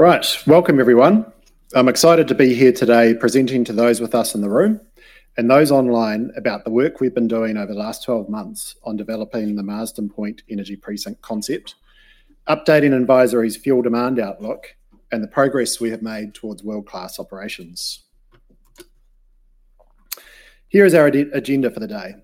Right. Welcome, everyone. I'm excited to be here today presenting to those with us in the room and those online about the work we've been doing over the last twelve months on developing the Marsden Point Energy Precinct concept, updating advisory's fuel demand outlook, and the progress we have made towards world-class operations. Here is our agenda for the day.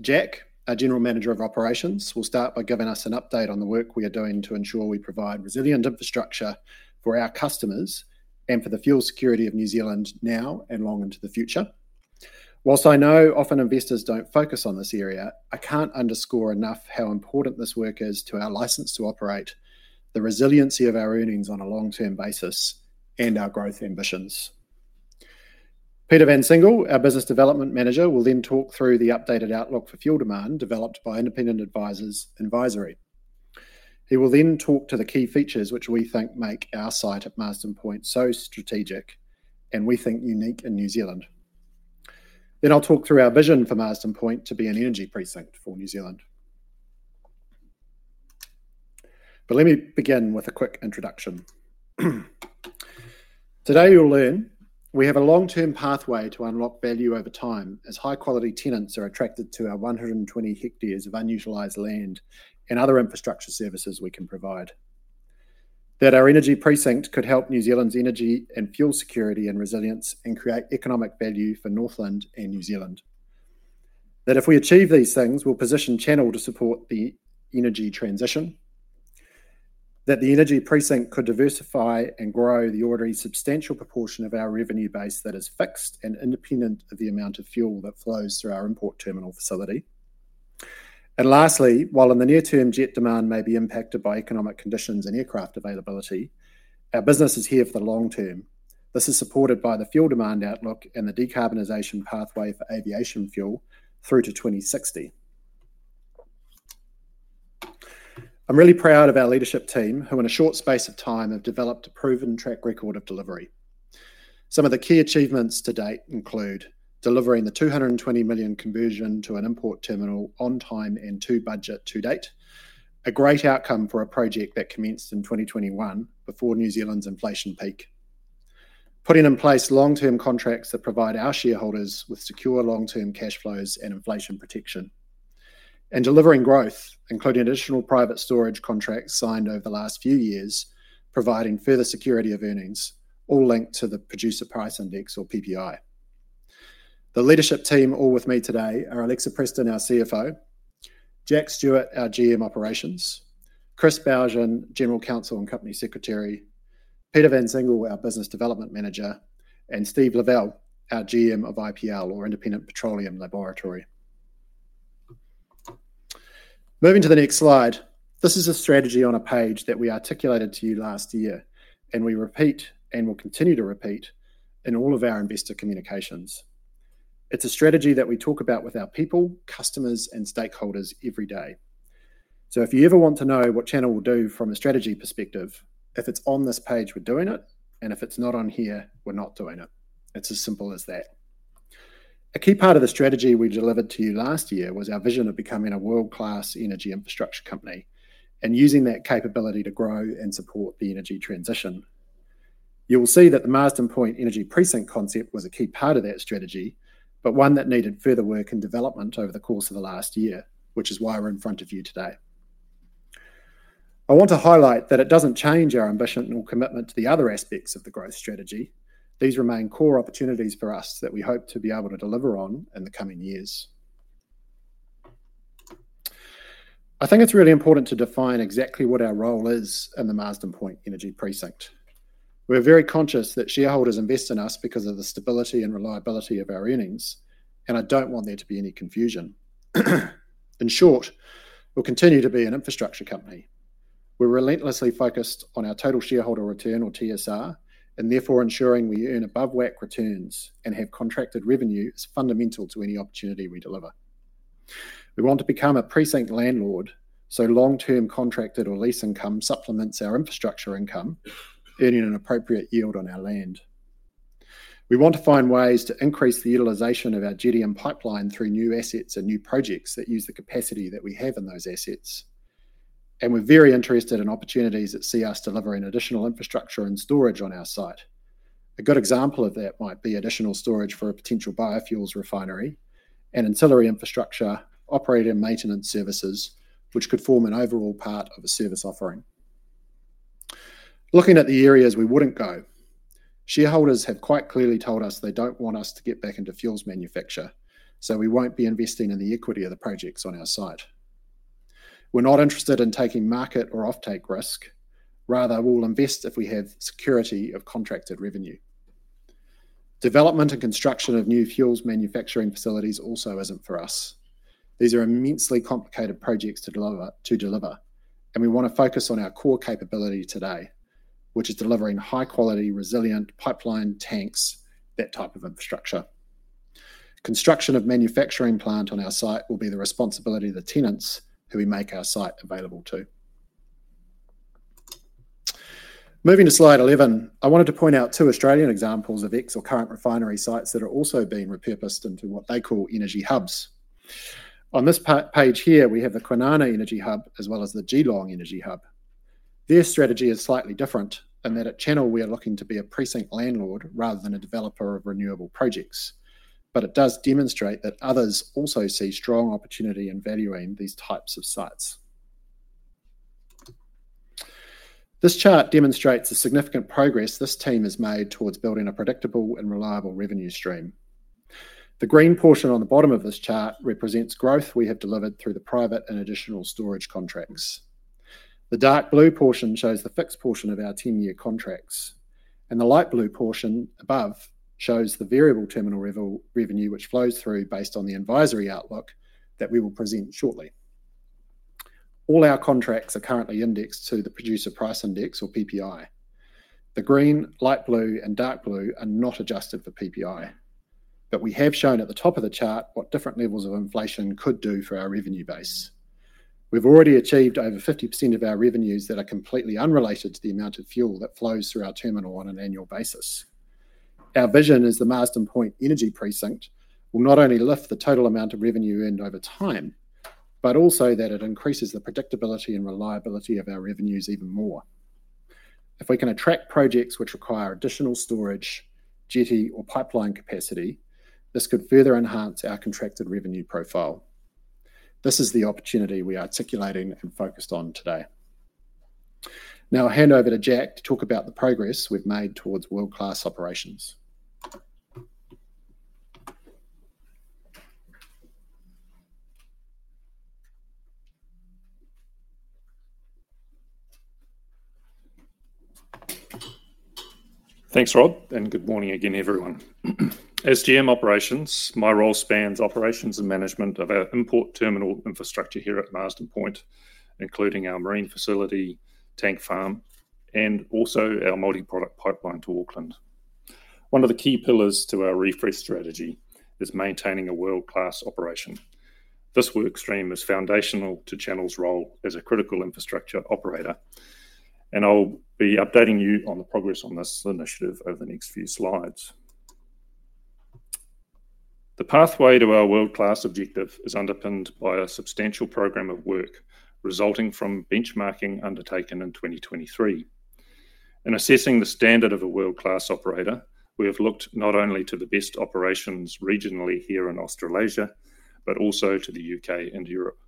Jack, our General Manager of Operations, will start by giving us an update on the work we are doing to ensure we provide resilient infrastructure for our customers and for the fuel security of New Zealand now and long into the future. Whilst I know often investors don't focus on this area, I can't underscore enough how important this work is to our license to operate, the resiliency of our earnings on a long-term basis, and our growth ambitions. Peter van Singel, our Business Development Manager, will then talk through the updated outlook for fuel demand, developed by independent advisors and advisory. He will then talk to the key features which we think make our site at Marsden Point so strategic and we think unique in New Zealand. Then I'll talk through our vision for Marsden Point to be an energy precinct for New Zealand. But let me begin with a quick introduction. Today, you'll learn we have a long-term pathway to unlock value over time, as high-quality tenants are attracted to our 120 hectares of unutilized land and other infrastructure services we can provide. That our energy precinct could help New Zealand's energy and fuel security and resilience and create economic value for Northland and New Zealand. That if we achieve these things, we'll position Channel to support the energy transition, that the energy precinct could diversify and grow the already substantial proportion of our revenue base that is fixed and independent of the amount of fuel that flows through our import terminal facility. And lastly, while in the near term, jet demand may be impacted by economic conditions and aircraft availability, our business is here for the long term. This is supported by the fuel demand outlook and the decarbonization pathway for aviation fuel through to 2060. I'm really proud of our leadership team, who, in a short space of time, have developed a proven track record of delivery. Some of the key achievements to date include: delivering the 220 million conversion to an import terminal on time and to budget to date, a great outcome for a project that commenced in 2021 before New Zealand's inflation peak. Putting in place long-term contracts that provide our shareholders with secure long-term cash flows and inflation protection, and delivering growth, including additional private storage contracts signed over the last few years, providing further security of earnings, all linked to the Producer Price Index, or PPI. The leadership team, all with me today, are Alexa Preston, our CFO, Jack Stewart, our GM Operations, Chris Bougen, General Counsel, and Company Secretary, Peter van Singel, our Business Development Manager, and Steve Lavall, our GM of IPL, or Independent Petroleum Laboratory. Moving to the next slide, this is a strategy on a page that we articulated to you last year, and we repeat and will continue to repeat in all of our investor communications. It's a strategy that we talk about with our people, customers, and stakeholders every day. So if you ever want to know what Channel will do from a strategy perspective, if it's on this page, we're doing it, and if it's not on here, we're not doing it. It's as simple as that. A key part of the strategy we delivered to you last year was our vision of becoming a world-class energy infrastructure company and using that capability to grow and support the energy transition. You will see that the Marsden Point Energy Precinct concept was a key part of that strategy, but one that needed further work and development over the course of the last year, which is why we're in front of you today. I want to highlight that it doesn't change our ambition or commitment to the other aspects of the growth strategy. These remain core opportunities for us that we hope to be able to deliver on in the coming years. I think it's really important to define exactly what our role is in the Marsden Point Energy Precinct. We're very conscious that shareholders invest in us because of the stability and reliability of our earnings, and I don't want there to be any confusion. In short, we'll continue to be an infrastructure company. We're relentlessly focused on our Total Shareholder Return, or TSR, and therefore ensuring we earn above WACC returns and have contracted revenue is fundamental to any opportunity we deliver. We want to become a precinct landlord, so long-term contracted or lease income supplements our infrastructure income, earning an appropriate yield on our land. We want to find ways to increase the utilization of our jetty and pipeline through new assets and new projects that use the capacity that we have in those assets, and we're very interested in opportunities that see us delivering additional infrastructure and storage on our site. A good example of that might be additional storage for a potential biofuels refinery and ancillary infrastructure, operating maintenance services, which could form an overall part of a service offering. Looking at the areas we wouldn't go, shareholders have quite clearly told us they don't want us to get back into fuels manufacture, so we won't be investing in the equity of the projects on our site. We're not interested in taking market or offtake risk. Rather, we'll invest if we have security of contracted revenue. Development and construction of new fuels manufacturing facilities also isn't for us. These are immensely complicated projects to deliver, to deliver, and we want to focus on our core capability today, which is delivering high quality, resilient pipeline tanks, that type of infrastructure. Construction of manufacturing plant on our site will be the responsibility of the tenants who we make our site available to. Moving to slide 11, I wanted to point out two Australian examples of ex- or current refinery sites that are also being repurposed into what they call energy hubs. On this page here, we have the Kwinana Energy Hub as well as the Geelong Energy Hub. Their strategy is slightly different, in that at Channel we are looking to be a precinct landlord rather than a developer of renewable projects. But it does demonstrate that others also see strong opportunity in valuing these types of sites. This chart demonstrates the significant progress this team has made towards building a predictable and reliable revenue stream. The green portion on the bottom of this chart represents growth we have delivered through the private and additional storage contracts. The dark blue portion shows the fixed portion of our ten-year contracts, and the light blue portion above shows the variable terminal revenue which flows through based on the advisory outlook that we will present shortly. All our contracts are currently indexed to the Producer Price Index or PPI. The green, light blue, and dark blue are not adjusted for PPI, but we have shown at the top of the chart what different levels of inflation could do for our revenue base. We've already achieved over 50% of our revenues that are completely unrelated to the amount of fuel that flows through our terminal on an annual basis. Our vision is the Marsden Point Energy Precinct will not only lift the total amount of revenue earned over time, but also that it increases the predictability and reliability of our revenues even more. If we can attract projects which require additional storage, jetty, or pipeline capacity, this could further enhance our contracted revenue profile. This is the opportunity we are articulating and focused on today. Now, I'll hand over to Jack to talk about the progress we've made towards world-class operations. Thanks, Rob, and good morning again, everyone. As GM Operations, my role spans operations and management of our import terminal infrastructure here at Marsden Point, including our marine facility, tank farm, and also our multi-product pipeline to Auckland. One of the key pillars to our refresh strategy is maintaining a world-class operation. This work stream is foundational to Channel's role as a critical infrastructure operator, and I'll be updating you on the progress on this initiative over the next few slides. The pathway to our world-class objective is underpinned by a substantial program of work resulting from benchmarking undertaken in 2023. In assessing the standard of a world-class operator, we have looked not only to the best operations regionally here in Australasia, but also to the U.K. and Europe.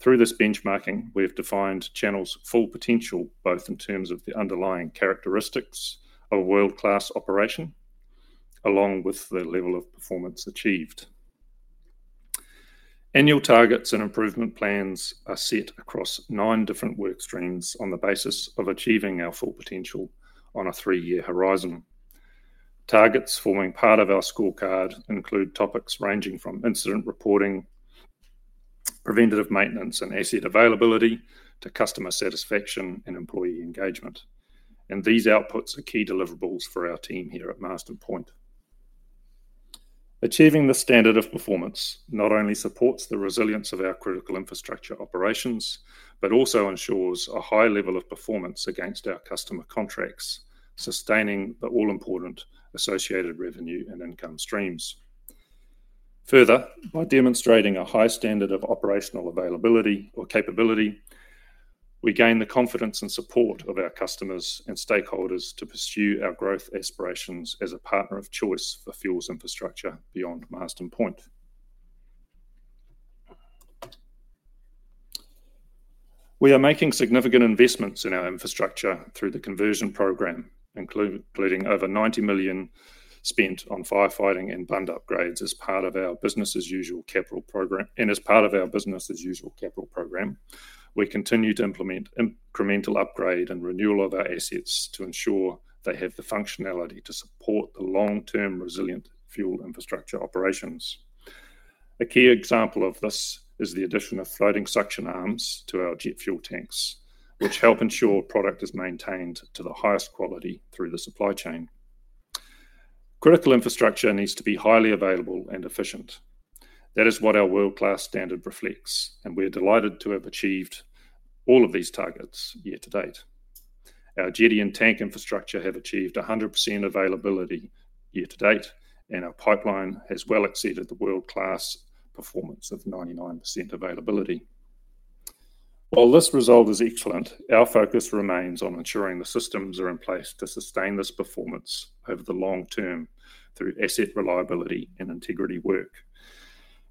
Through this benchmarking, we have defined Channel's full potential, both in terms of the underlying characteristics of a world-class operation, along with the level of performance achieved. Annual targets and improvement plans are set across nine different work streams on the basis of achieving our full potential on a three-year horizon. Targets forming part of our scorecard include topics ranging from incident reporting, preventative maintenance, and asset availability, to customer satisfaction and employee engagement, and these outputs are key deliverables for our team here at Marsden Point. Achieving the standard of performance not only supports the resilience of our critical infrastructure operations, but also ensures a high level of performance against our customer contracts, sustaining the all-important associated revenue and income streams. Further, by demonstrating a high standard of operational availability or capability, we gain the confidence and support of our customers and stakeholders to pursue our growth aspirations as a partner of choice for fuels infrastructure beyond Marsden Point. We are making significant investments in our infrastructure through the conversion program, including over 90 million spent on firefighting and bund upgrades as part of our business-as-usual capital program, and as part of our business-as-usual capital program, we continue to implement incremental upgrade and renewal of our assets to ensure they have the functionality to support the long-term resilient fuel infrastructure operations. A key example of this is the addition of floating suction arms to our jet fuel tanks, which help ensure product is maintained to the highest quality through the supply chain. Critical infrastructure needs to be highly available and efficient. That is what our world-class standard reflects, and we're delighted to have achieved all of these targets year to date. Our jetty and tank infrastructure have achieved 100% availability year to date, and our pipeline has well exceeded the world-class performance of 99% availability. While this result is excellent, our focus remains on ensuring the systems are in place to sustain this performance over the long term through asset reliability and integrity work.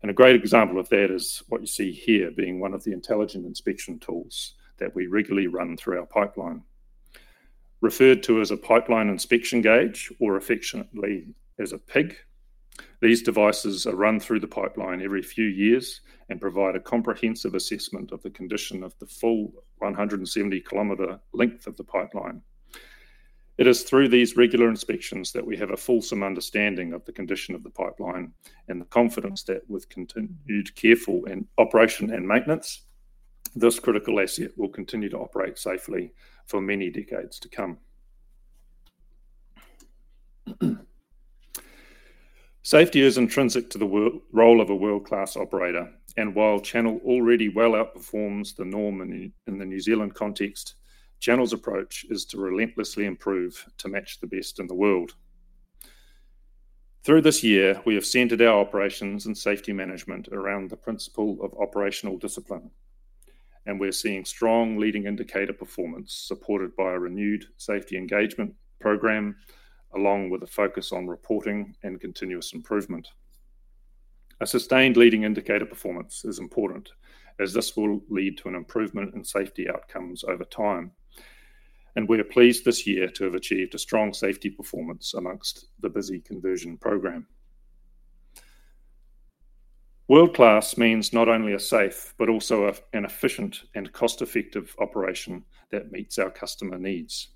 And a great example of that is what you see here, being one of the intelligent inspection tools that we regularly run through our pipeline. Referred to as a pipeline inspection gauge or affectionately as a pig, these devices are run through the pipeline every few years and provide a comprehensive assessment of the condition of the full 170-kilometer length of the pipeline. It is through these regular inspections that we have a fulsome understanding of the condition of the pipeline and the confidence that with continued careful operation and maintenance, this critical asset will continue to operate safely for many decades to come. Safety is intrinsic to the core role of a world-class operator, and while Channel already well outperforms the norm in the New Zealand context, Channel's approach is to relentlessly improve to match the best in the world. Through this year, we have centered our operations and safety management around the principle of operational discipline, and we're seeing strong leading indicator performance, supported by a renewed safety engagement program, along with a focus on reporting and continuous improvement. A sustained leading indicator performance is important, as this will lead to an improvement in safety outcomes over time, and we are pleased this year to have achieved a strong safety performance among the busy conversion program. World-class means not only a safe, but also an efficient and cost-effective operation that meets our customer needs.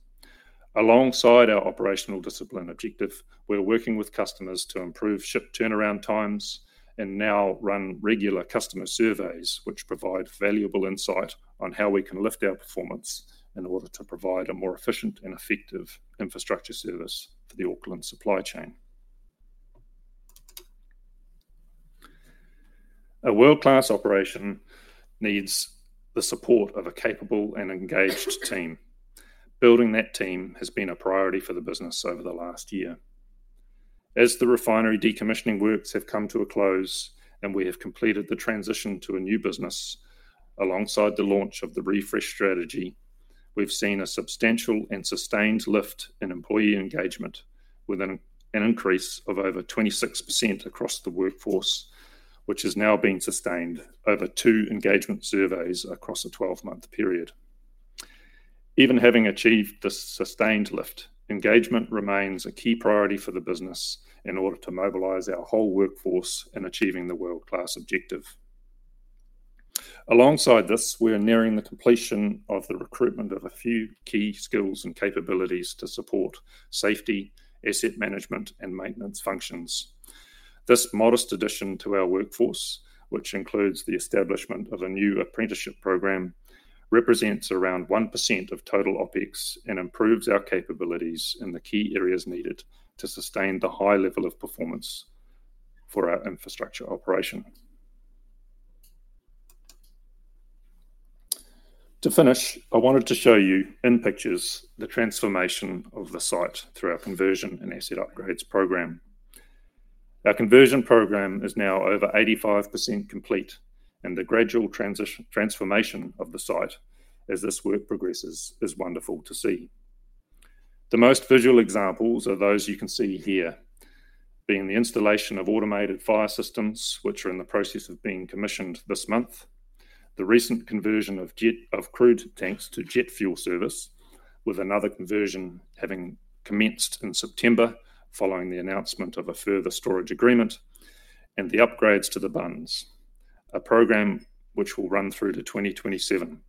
Alongside our operational discipline objective, we're working with customers to improve ship turnaround times and now run regular customer surveys, which provide valuable insight on how we can lift our performance in order to provide a more efficient and effective infrastructure service for the Auckland supply chain. A world-class operation needs the support of a capable and engaged team. Building that team has been a priority for the business over the last year. As the refinery decommissioning works have come to a close, and we have completed the transition to a new business, alongside the launch of the refresh strategy, we've seen a substantial and sustained lift in employee engagement, with an increase of over 26% across the workforce, which is now being sustained over two engagement surveys across a twelve-month period. Even having achieved this sustained lift, engagement remains a key priority for the business in order to mobilize our whole workforce in achieving the world-class objective. Alongside this, we are nearing the completion of the recruitment of a few key skills and capabilities to support safety, asset management, and maintenance functions. This modest addition to our workforce, which includes the establishment of a new apprenticeship program, represents around 1% of total OpEx and improves our capabilities in the key areas needed to sustain the high level of performance for our infrastructure operation. To finish, I wanted to show you in pictures the transformation of the site through our conversion and asset upgrades program. Our conversion program is now over 85% complete, and the gradual transformation of the site as this work progresses is wonderful to see. The most visual examples are those you can see here, being the installation of automated fire systems, which are in the process of being commissioned this month, the recent conversion of crude tanks to jet fuel service, with another conversion having commenced in September, following the announcement of a further storage agreement, and the upgrades to the bunds, a program which will run through to 2027.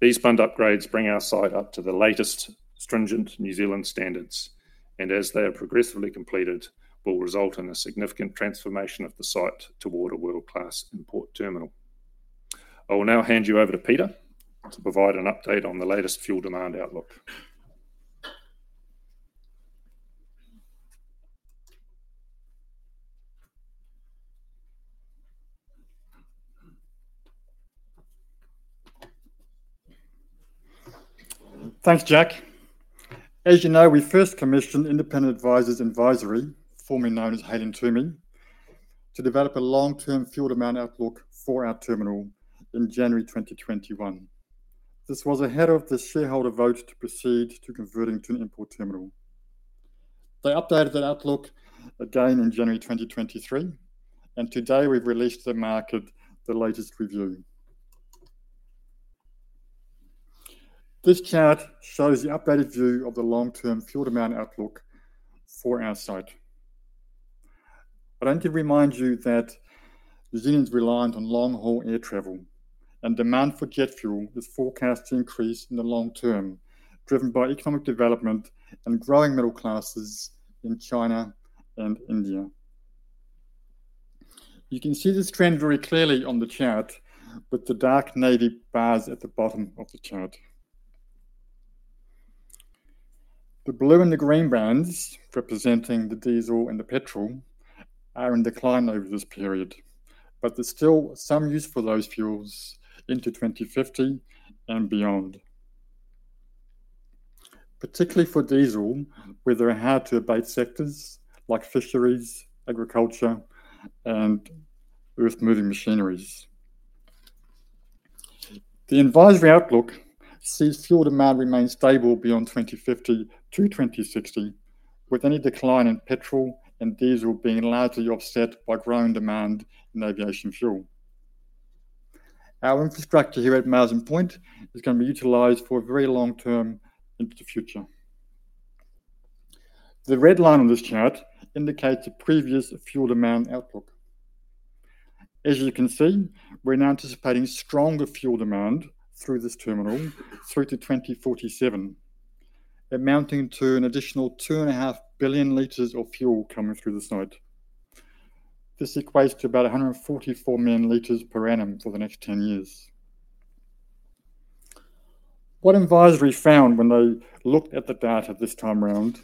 These bund upgrades bring our site up to the latest stringent New Zealand standards, and as they are progressively completed, will result in a significant transformation of the site toward a world-class import terminal. I will now hand you over to Peter to provide an update on the latest fuel demand outlook. Thanks, Jack. As you know, we first commissioned Hale & Twomey to develop a long-term fuel demand outlook for our terminal in January 2021. This was ahead of the shareholder vote to proceed to converting to an import terminal. They updated that outlook again in January 2023, and today we've released to the market the latest review. This chart shows the updated view of the long-term fuel demand outlook for our site. I'd like to remind you that New Zealand's reliant on long-haul air travel, and demand for jet fuel is forecast to increase in the long term, driven by economic development and growing middle classes in China and India. You can see this trend very clearly on the chart, with the dark navy bars at the bottom of the chart. The blue and the green bands, representing the diesel and the petrol, are in decline over this period, but there's still some use for those fuels into 2050 and beyond. Particularly for diesel, where there are hard-to-abate sectors like fisheries, agriculture, and earthmoving machineries. The advisory outlook sees fuel demand remain stable beyond 2050 to 2060, with any decline in petrol and diesel being largely offset by growing demand in aviation fuel. Our infrastructure here at Marsden Point is gonna be utilized for a very long term into the future. The red line on this chart indicates a previous fuel demand outlook. As you can see, we're now anticipating stronger fuel demand through this terminal through to 2047, amounting to an additional 2.5 billion liters of fuel coming through this site. This equates to about 144 million liters per annum for the next 10 years. What Advisory found when they looked at the data this time around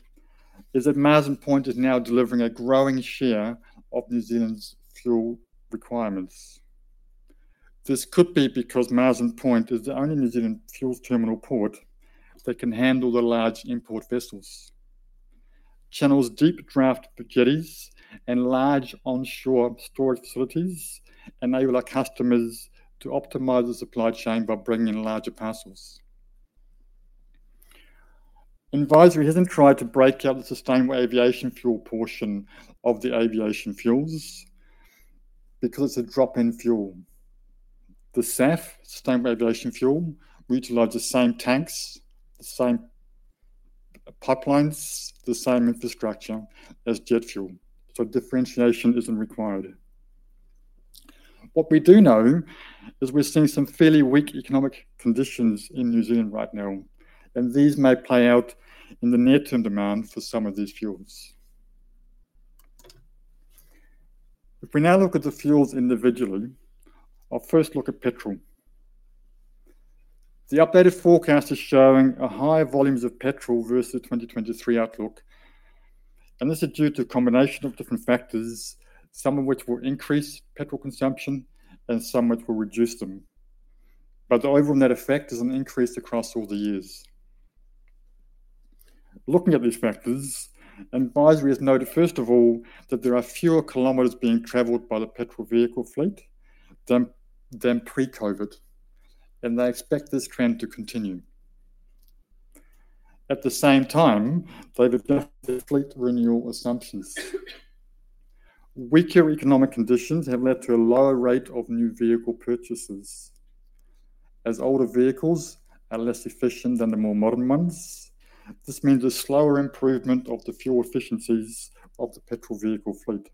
is that Marsden Point is now delivering a growing share of New Zealand's fuel requirements. This could be because Marsden Point is the only New Zealand fuels terminal port that can handle the large import vessels. Channel's deep draft jetties and large onshore storage facilities enable our customers to optimize the supply chain by bringing in larger parcels. Advisory hasn't tried to break out the sustainable aviation fuel portion of the aviation fuels because it's a drop-in fuel. The SAF, Sustainable Aviation Fuel, utilize the same tanks, the same pipelines, the same infrastructure as jet fuel, so differentiation isn't required. What we do know is we're seeing some fairly weak economic conditions in New Zealand right now, and these may play out in the near-term demand for some of these fuels. If we now look at the fuels individually, I'll first look at petrol. The updated forecast is showing higher volumes of petrol versus the 2023 outlook, and this is due to a combination of different factors, some of which will increase petrol consumption and some which will reduce them. But the overall net effect is an increase across all the years. Looking at these factors, Hale & Twomey has noted, first of all, that there are fewer kilometers being traveled by the petrol vehicle fleet than pre-COVID, and they expect this trend to continue. At the same time, they've adjusted their fleet renewal assumptions. Weaker economic conditions have led to a lower rate of new vehicle purchases. As older vehicles are less efficient than the more modern ones, this means a slower improvement of the fuel efficiencies of the petrol vehicle fleet,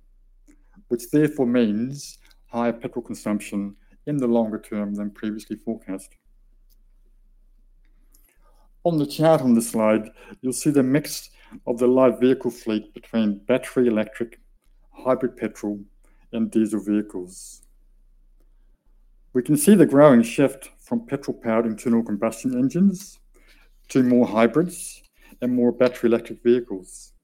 which therefore means higher petrol consumption in the longer term than previously forecast. On the chart on this slide, you'll see the mix of the live vehicle fleet between battery electric, hybrid petrol, and diesel vehicles. We can see the growing shift from petrol-powered internal combustion engines to more hybrids and more battery electric vehicles.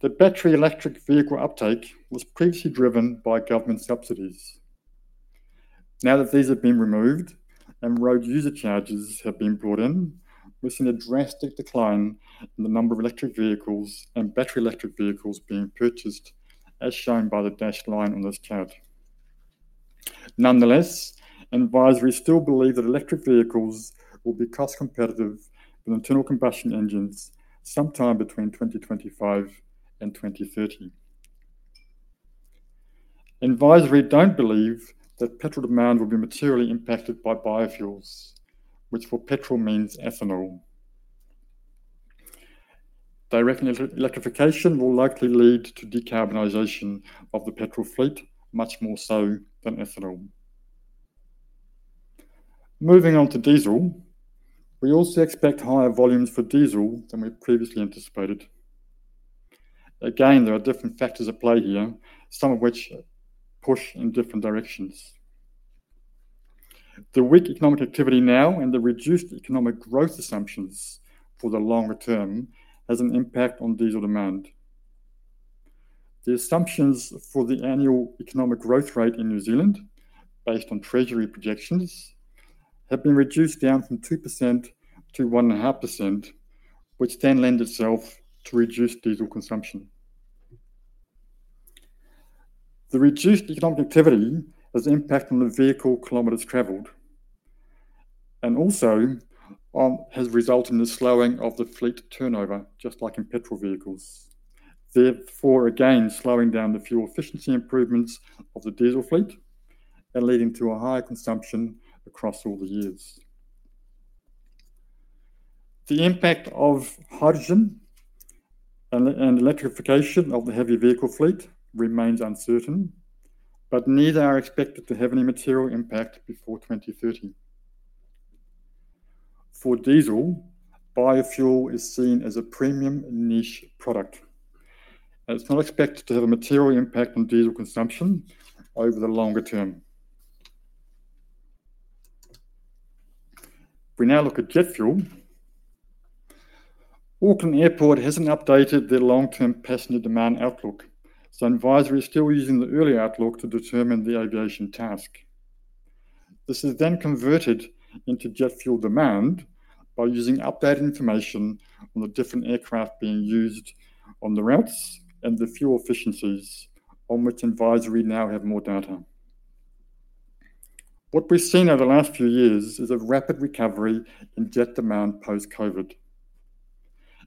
The battery electric vehicle uptake was previously driven by government subsidies. Now that these have been removed and road user charges have been brought in, we're seeing a drastic decline in the number of electric vehicles and battery electric vehicles being purchased, as shown by the dashed line on this chart. Hale & Twomey still believe that electric vehicles will be cost competitive with internal combustion engines sometime between 2025 and 2030. Hale & Twomey don't believe that petrol demand will be materially impacted by biofuels, which for petrol means ethanol. They reckon electrification will likely lead to decarbonization of the petrol fleet, much more so than ethanol. Moving on to diesel, we also expect higher volumes for diesel than we previously anticipated. Again, there are different factors at play here, some of which push in different directions. The weak economic activity now and the reduced economic growth assumptions for the longer term has an impact on diesel demand. The assumptions for the annual economic growth rate in New Zealand, based on Treasury projections, have been reduced down from 2% to 1.5%, which then lend itself to reduced diesel consumption. The reduced economic activity has impacted on the vehicle kilometers traveled, and also has resulted in the slowing of the fleet turnover, just like in petrol vehicles. Therefore, again, slowing down the fuel efficiency improvements of the diesel fleet and leading to a higher consumption across all the years. The impact of hydrogen and electrification of the heavy vehicle fleet remains uncertain, but neither are expected to have any material impact before 2030. For diesel, biofuel is seen as a premium niche product, and it's not expected to have a material impact on diesel consumption over the longer term. If we now look at jet fuel, Auckland Airport hasn't updated their long-term passenger demand outlook, so Hale & Twomey is still using the early outlook to determine the aviation task. This is then converted into jet fuel demand by using updated information on the different aircraft being used on the routes and the fuel efficiencies on which Hale & Twomey now have more data. What we've seen over the last few years is a rapid recovery in jet demand post-COVID.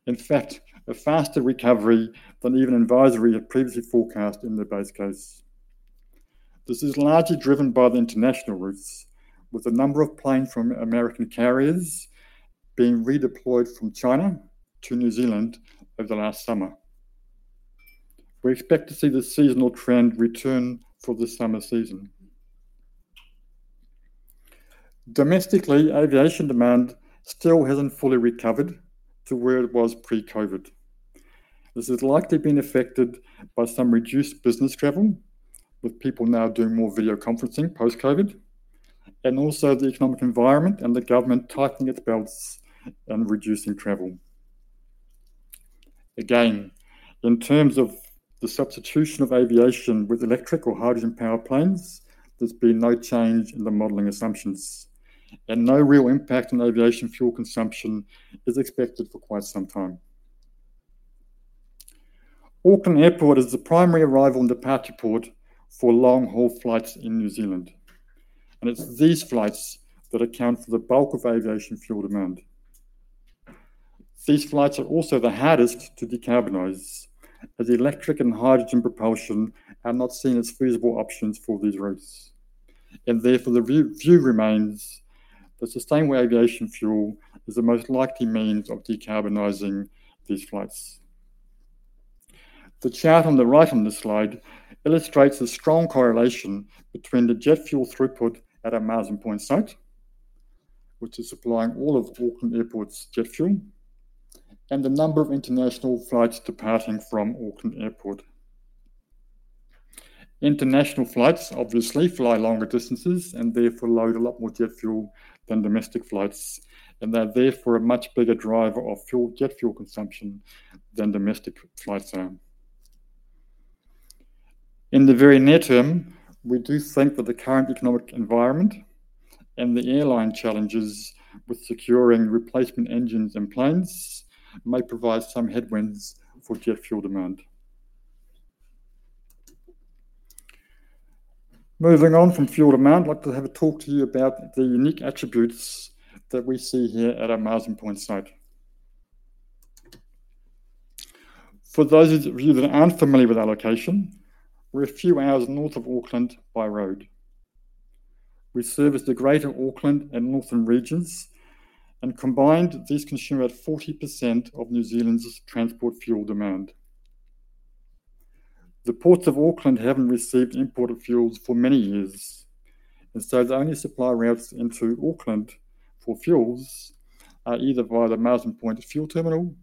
In fact, a faster recovery than even Hale & Twomey had previously forecast in their base case. This is largely driven by the international routes, with a number of planes from American carriers being redeployed from China to New Zealand over the last summer. We expect to see the seasonal trend return for the summer season. Domestically, aviation demand still hasn't fully recovered to where it was pre-COVID. This has likely been affected by some reduced business travel, with people now doing more video conferencing post-COVID, and also the economic environment and the government tightening its belts and reducing travel... Again, in terms of the substitution of aviation with electric or hydrogen-powered planes, there's been no change in the modeling assumptions, and no real impact on aviation fuel consumption is expected for quite some time. Auckland Airport is the primary arrival and departure port for long-haul flights in New Zealand, and it's these flights that account for the bulk of aviation fuel demand. These flights are also the hardest to decarbonize, as electric and hydrogen propulsion are not seen as feasible options for these routes, and therefore, the review remains that sustainable aviation fuel is the most likely means of decarbonizing these flights. The chart on the right on this slide illustrates the strong correlation between the jet fuel throughput at our Marsden Point site, which is supplying all of Auckland Airport's jet fuel, and the number of international flights departing from Auckland Airport. International flights obviously fly longer distances and therefore load a lot more jet fuel than domestic flights, and they're therefore a much bigger driver of jet fuel consumption than domestic flights are. In the very near term, we do think that the current economic environment and the airline challenges with securing replacement engines and planes may provide some headwinds for jet fuel demand. Moving on from fuel demand, I'd like to have a talk to you about the unique attributes that we see here at our Marsden Point site. For those of you that aren't familiar with our location, we're a few hours north of Auckland by road. We service the Greater Auckland and northern regions, and combined, these consume about 40% of New Zealand's transport fuel demand. The Ports of Auckland haven't received imported fuels for many years, and so the only supply routes into Auckland for fuels are either via the Marsden Point fuel terminal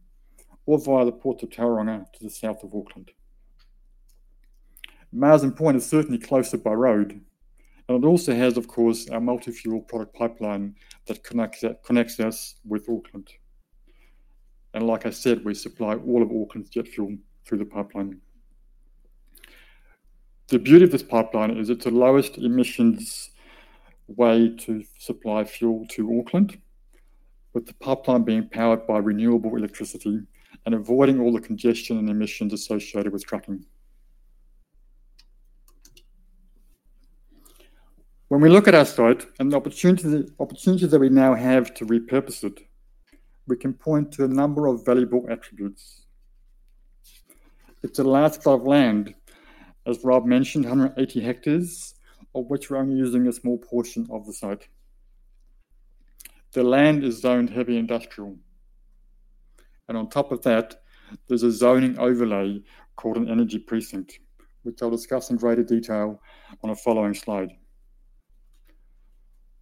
or via the Port of Tauranga to the south of Auckland. Marsden Point is certainly closer by road, and it also has, of course, a multi-fuel product pipeline that connects us with Auckland, and like I said, we supply all of Auckland's jet fuel through the pipeline. The beauty of this pipeline is it's the lowest emissions way to supply fuel to Auckland, with the pipeline being powered by renewable electricity and avoiding all the congestion and emissions associated with trucking. When we look at our site and the opportunity, opportunities that we now have to repurpose it, we can point to a number of valuable attributes. It's a large plot of land, as Rob mentioned, 180 hectares, of which we're only using a small portion of the site. The land is zoned heavy industrial, and on top of that, there's a zoning overlay called an energy precinct, which I'll discuss in greater detail on a following slide.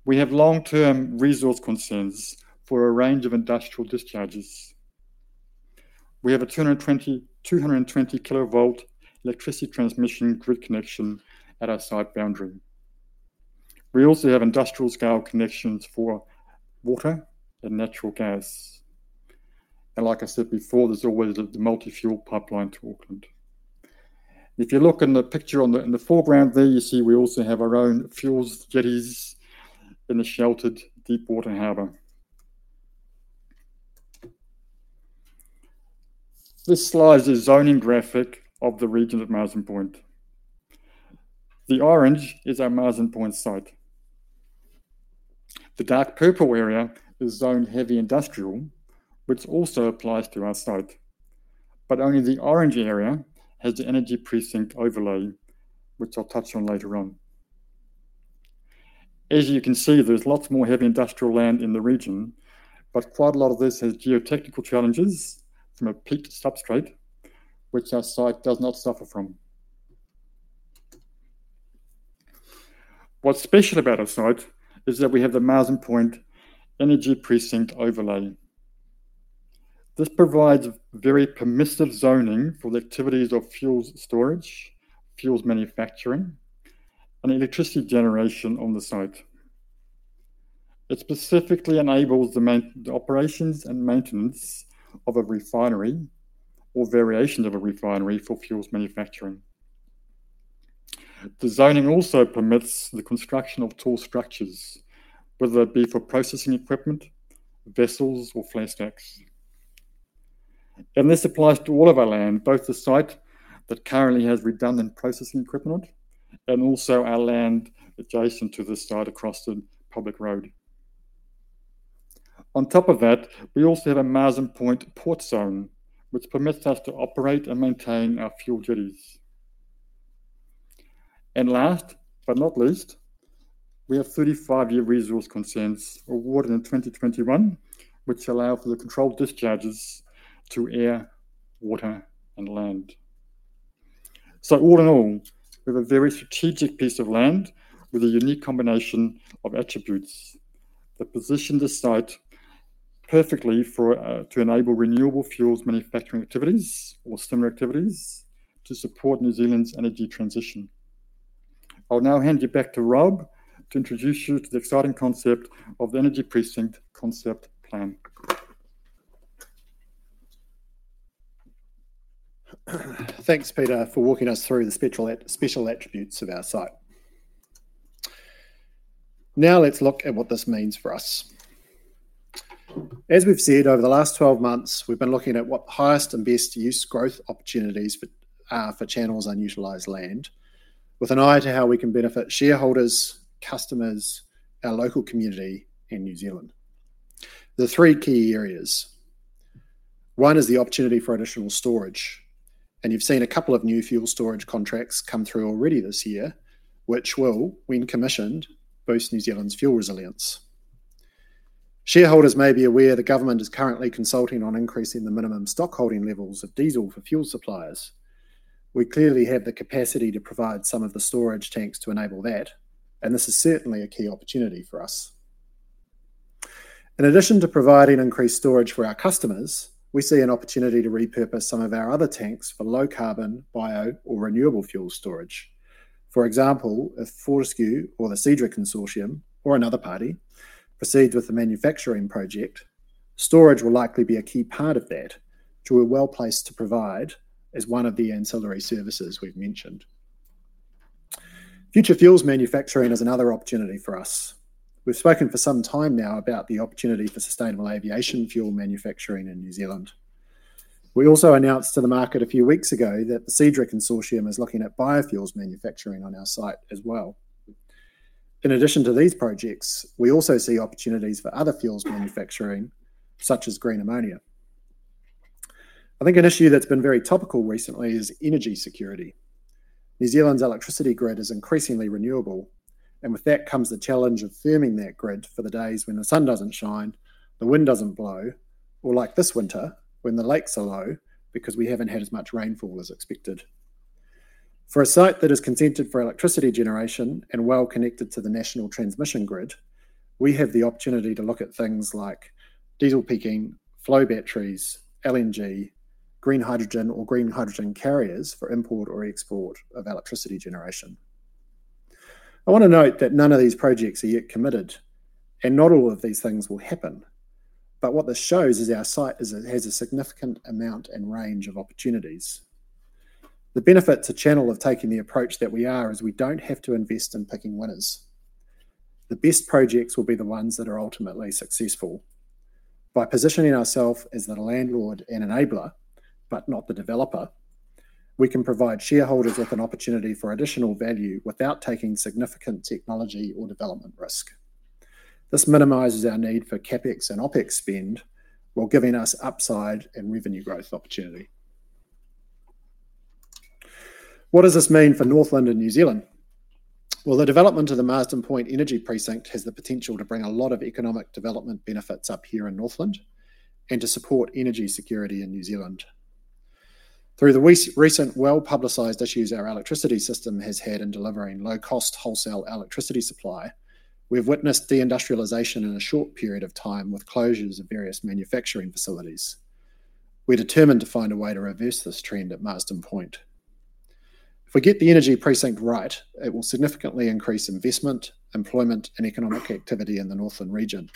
We have long-term resource consents for a range of industrial discharges. We have a 220 kilovolt electricity transmission grid connection at our site boundary. We also have industrial-scale connections for water and natural gas. And like I said before, there's always the multi-fuel pipeline to Auckland. If you look in the picture in the foreground there, you see we also have our own fuels jetties in a sheltered deepwater harbor. This slide is a zoning graphic of the region of Marsden Point. The orange is our Marsden Point site. The dark purple area is zoned heavy industrial, which also applies to our site, but only the orange area has the Energy Precinct overlay, which I'll touch on later on. As you can see, there's lots more heavy industrial land in the region, but quite a lot of this has geotechnical challenges from a peat substrate, which our site does not suffer from. What's special about our site is that we have the Marsden Point Energy Precinct overlay. This provides very permissive zoning for the activities of fuel storage, fuel manufacturing, and electricity generation on the site. It specifically enables the main operations and maintenance of a refinery or variations of a refinery for fuel manufacturing. The zoning also permits the construction of tall structures, whether it be for processing equipment, vessels, or flare stacks. This applies to all of our land, both the site that currently has redundant processing equipment and also our land adjacent to the site across the public road. On top of that, we also have a Marsden Point Port Zone, which permits us to operate and maintain our fuel jetties. Last but not least, we have thirty-five-year resource consents awarded in twenty twenty-one, which allow for the controlled discharges to air, water, and land. All in all, we have a very strategic piece of land with a unique combination of attributes that position the site perfectly for to enable renewable fuels manufacturing activities or similar activities to support New Zealand's energy transition. I'll now hand you back to Rob to introduce you to the exciting concept of the Energy Precinct concept plan. Thanks, Peter, for walking us through the special attributes of our site. Now let's look at what this means for us. As we've said, over the last 12 months, we've been looking at what highest and best use growth opportunities for Channel's unutilized land, with an eye to how we can benefit shareholders, customers, our local community, and New Zealand. The three key areas: One is the opportunity for additional storage, and you've seen a couple of new fuel storage contracts come through already this year, which will, when commissioned, boost New Zealand's fuel resilience. Shareholders may be aware the government is currently consulting on increasing the minimum stock holding levels of diesel for fuel suppliers. We clearly have the capacity to provide some of the storage tanks to enable that, and this is certainly a key opportunity for us. In addition to providing increased storage for our customers, we see an opportunity to repurpose some of our other tanks for low-carbon, bio, or renewable fuel storage. For example, if Fortescue or the Seadra Energy consortium, or another party, proceeds with the manufacturing project, storage will likely be a key part of that, which we're well-placed to provide as one of the ancillary services we've mentioned. Future fuels manufacturing is another opportunity for us. We've spoken for some time now about the opportunity for sustainable aviation fuel manufacturing in New Zealand. We also announced to the market a few weeks ago that the Seadra Energy consortium is looking at biofuels manufacturing on our site as well. In addition to these projects, we also see opportunities for other fuels manufacturing, such as green ammonia. I think an issue that's been very topical recently is energy security. New Zealand's electricity grid is increasingly renewable, and with that comes the challenge of firming that grid for the days when the sun doesn't shine, the wind doesn't blow, or like this winter, when the lakes are low because we haven't had as much rainfall as expected. For a site that is consented for electricity generation and well connected to the national transmission grid, we have the opportunity to look at things like diesel peaking, flow batteries, LNG, green hydrogen, or green hydrogen carriers for import or export of electricity generation. I want to note that none of these projects are yet committed, and not all of these things will happen, but what this shows is our site is, it has a significant amount and range of opportunities. The benefit to Channel of taking the approach that we are is we don't have to invest in picking winners. The best projects will be the ones that are ultimately successful. By positioning ourself as the landlord and enabler, but not the developer, we can provide shareholders with an opportunity for additional value without taking significant technology or development risk. This minimizes our need for CapEx and OpEx spend, while giving us upside and revenue growth opportunity. What does this mean for Northland and New Zealand? The development of the Marsden Point Energy Precinct has the potential to bring a lot of economic development benefits up here in Northland and to support energy security in New Zealand. Through the recent well-publicized issues our electricity system has had in delivering low-cost wholesale electricity supply, we've witnessed deindustrialization in a short period of time with closures of various manufacturing facilities. We're determined to find a way to reverse this trend at Marsden Point. If we get the Energy Precinct right, it will significantly increase investment, employment, and economic activity in the Northland region,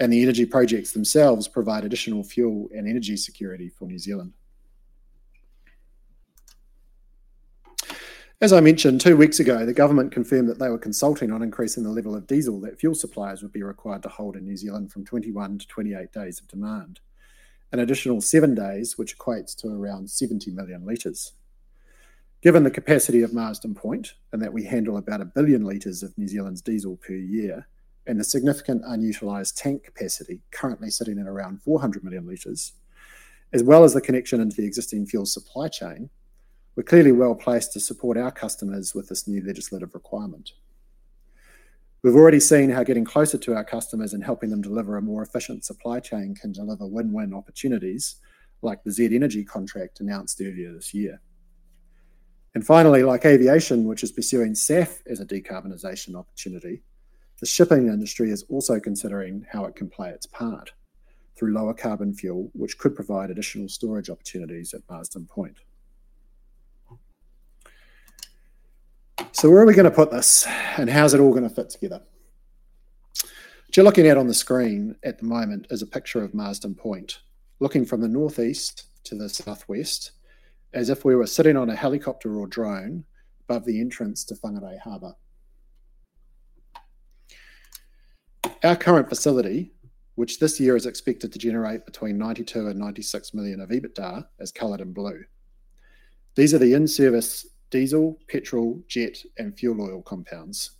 and the energy projects themselves provide additional fuel and energy security for New Zealand. As I mentioned, two weeks ago, the government confirmed that they were consulting on increasing the level of diesel that fuel suppliers would be required to hold in New Zealand from 21 to 28 days of demand, an additional seven days, which equates to around 70 million liters. Given the capacity of Marsden Point, and that we handle about a billion liters of New Zealand's diesel per year, and the significant unutilized tank capacity currently sitting at around 400 million liters, as well as the connection into the existing fuel supply chain, we're clearly well-placed to support our customers with this new legislative requirement. We've already seen how getting closer to our customers and helping them deliver a more efficient supply chain can deliver win-win opportunities, like the Z Energy contract announced earlier this year. And finally, like aviation, which is pursuing SAF as a decarbonization opportunity, the shipping industry is also considering how it can play its part through lower carbon fuel, which could provide additional storage opportunities at Marsden Point. So where are we going to put this, and how is it all going to fit together? What you're looking at on the screen at the moment is a picture of Marsden Point, looking from the northeast to the southwest, as if we were sitting on a helicopter or drone above the entrance to Whangarei Harbour. Our current facility, which this year is expected to generate between 92 million and 96 million of EBITDA, is colored in blue. These are the in-service diesel, petrol, jet, and fuel oil compounds.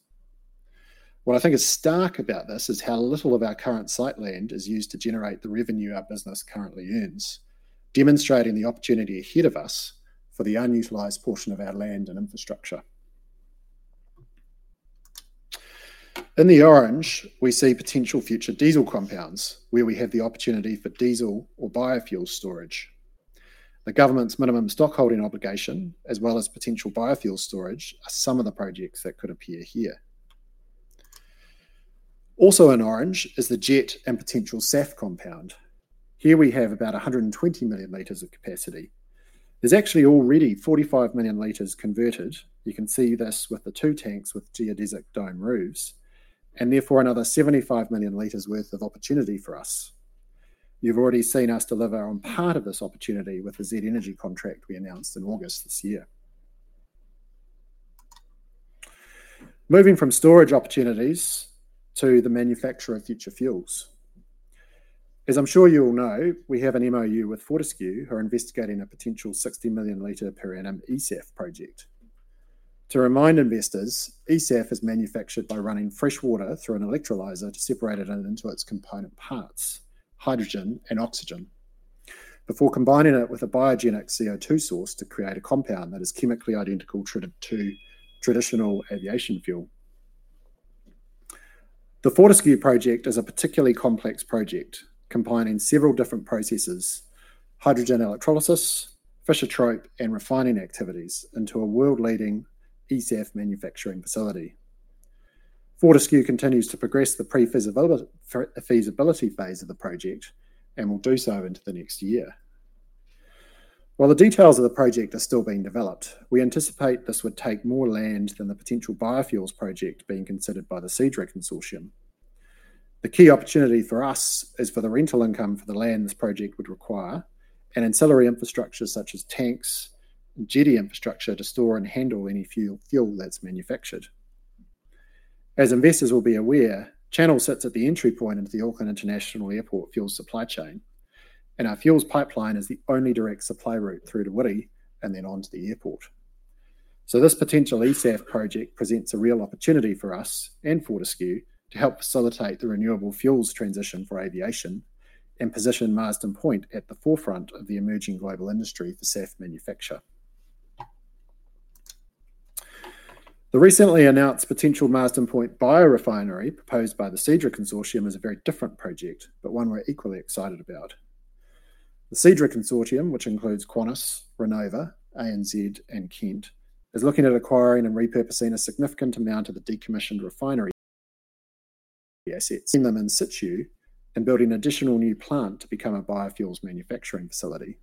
What I think is stark about this is how little of our current site land is used to generate the revenue our business currently earns, demonstrating the opportunity ahead of us for the unutilized portion of our land and infrastructure. In the orange, we see potential future diesel compounds, where we have the opportunity for diesel or biofuel storage. The government's minimum stock holding obligation, as well as potential biofuel storage, are some of the projects that could appear here. Also in orange is the jet and potential SAF compound. Here we have about 120 million liters of capacity. There's actually already 45 million liters converted. You can see this with the two tanks with geodesic dome roofs, and therefore another 75 million liters worth of opportunity for us. You've already seen us deliver on part of this opportunity with the Z Energy contract we announced in August this year. Moving from storage opportunities to the manufacture of future fuels. As I'm sure you all know, we have an MoU with Fortescue, who are investigating a potential 60 million liters per annum eSAF project. To remind investors, eSAF is manufactured by running fresh water through an electrolyzer to separate it into its component parts, hydrogen and oxygen, before combining it with a biogenic CO2 source to create a compound that is chemically identical to traditional aviation fuel. The Fortescue project is a particularly complex project, combining several different processes: hydrogen electrolysis, Fischer-Tropsch, and refining activities into a world-leading eSAF manufacturing facility. Fortescue continues to progress the pre-feasibility, feasibility phase of the project and will do so into the next year. While the details of the project are still being developed, we anticipate this would take more land than the potential biofuels project being considered by the Seadra Energy consortium. The key opportunity for us is for the rental income for the land this project would require, and ancillary infrastructure such as tanks and jetty infrastructure to store and handle any fuel, fuel that's manufactured. As investors will be aware, Channel sits at the entry point into the Auckland International Airport fuel supply chain, and our fuels pipeline is the only direct supply route through to Wiri and then on to the airport. So this potential eSAF project presents a real opportunity for us and Fortescue to help facilitate the renewable fuels transition for aviation and position Marsden Point at the forefront of the emerging global industry for SAF manufacture. The recently announced potential Marsden Point biorefinery, proposed by the Seadra Energy consortium, is a very different project, but one we're equally excited about. The Seadra Energy consortium, which includes Qantas, Renova, ANZ, and Kent, is looking at acquiring and repurposing a significant amount of the decommissioned refinery assets in situ and building an additional new plant to become a biofuels manufacturing facility.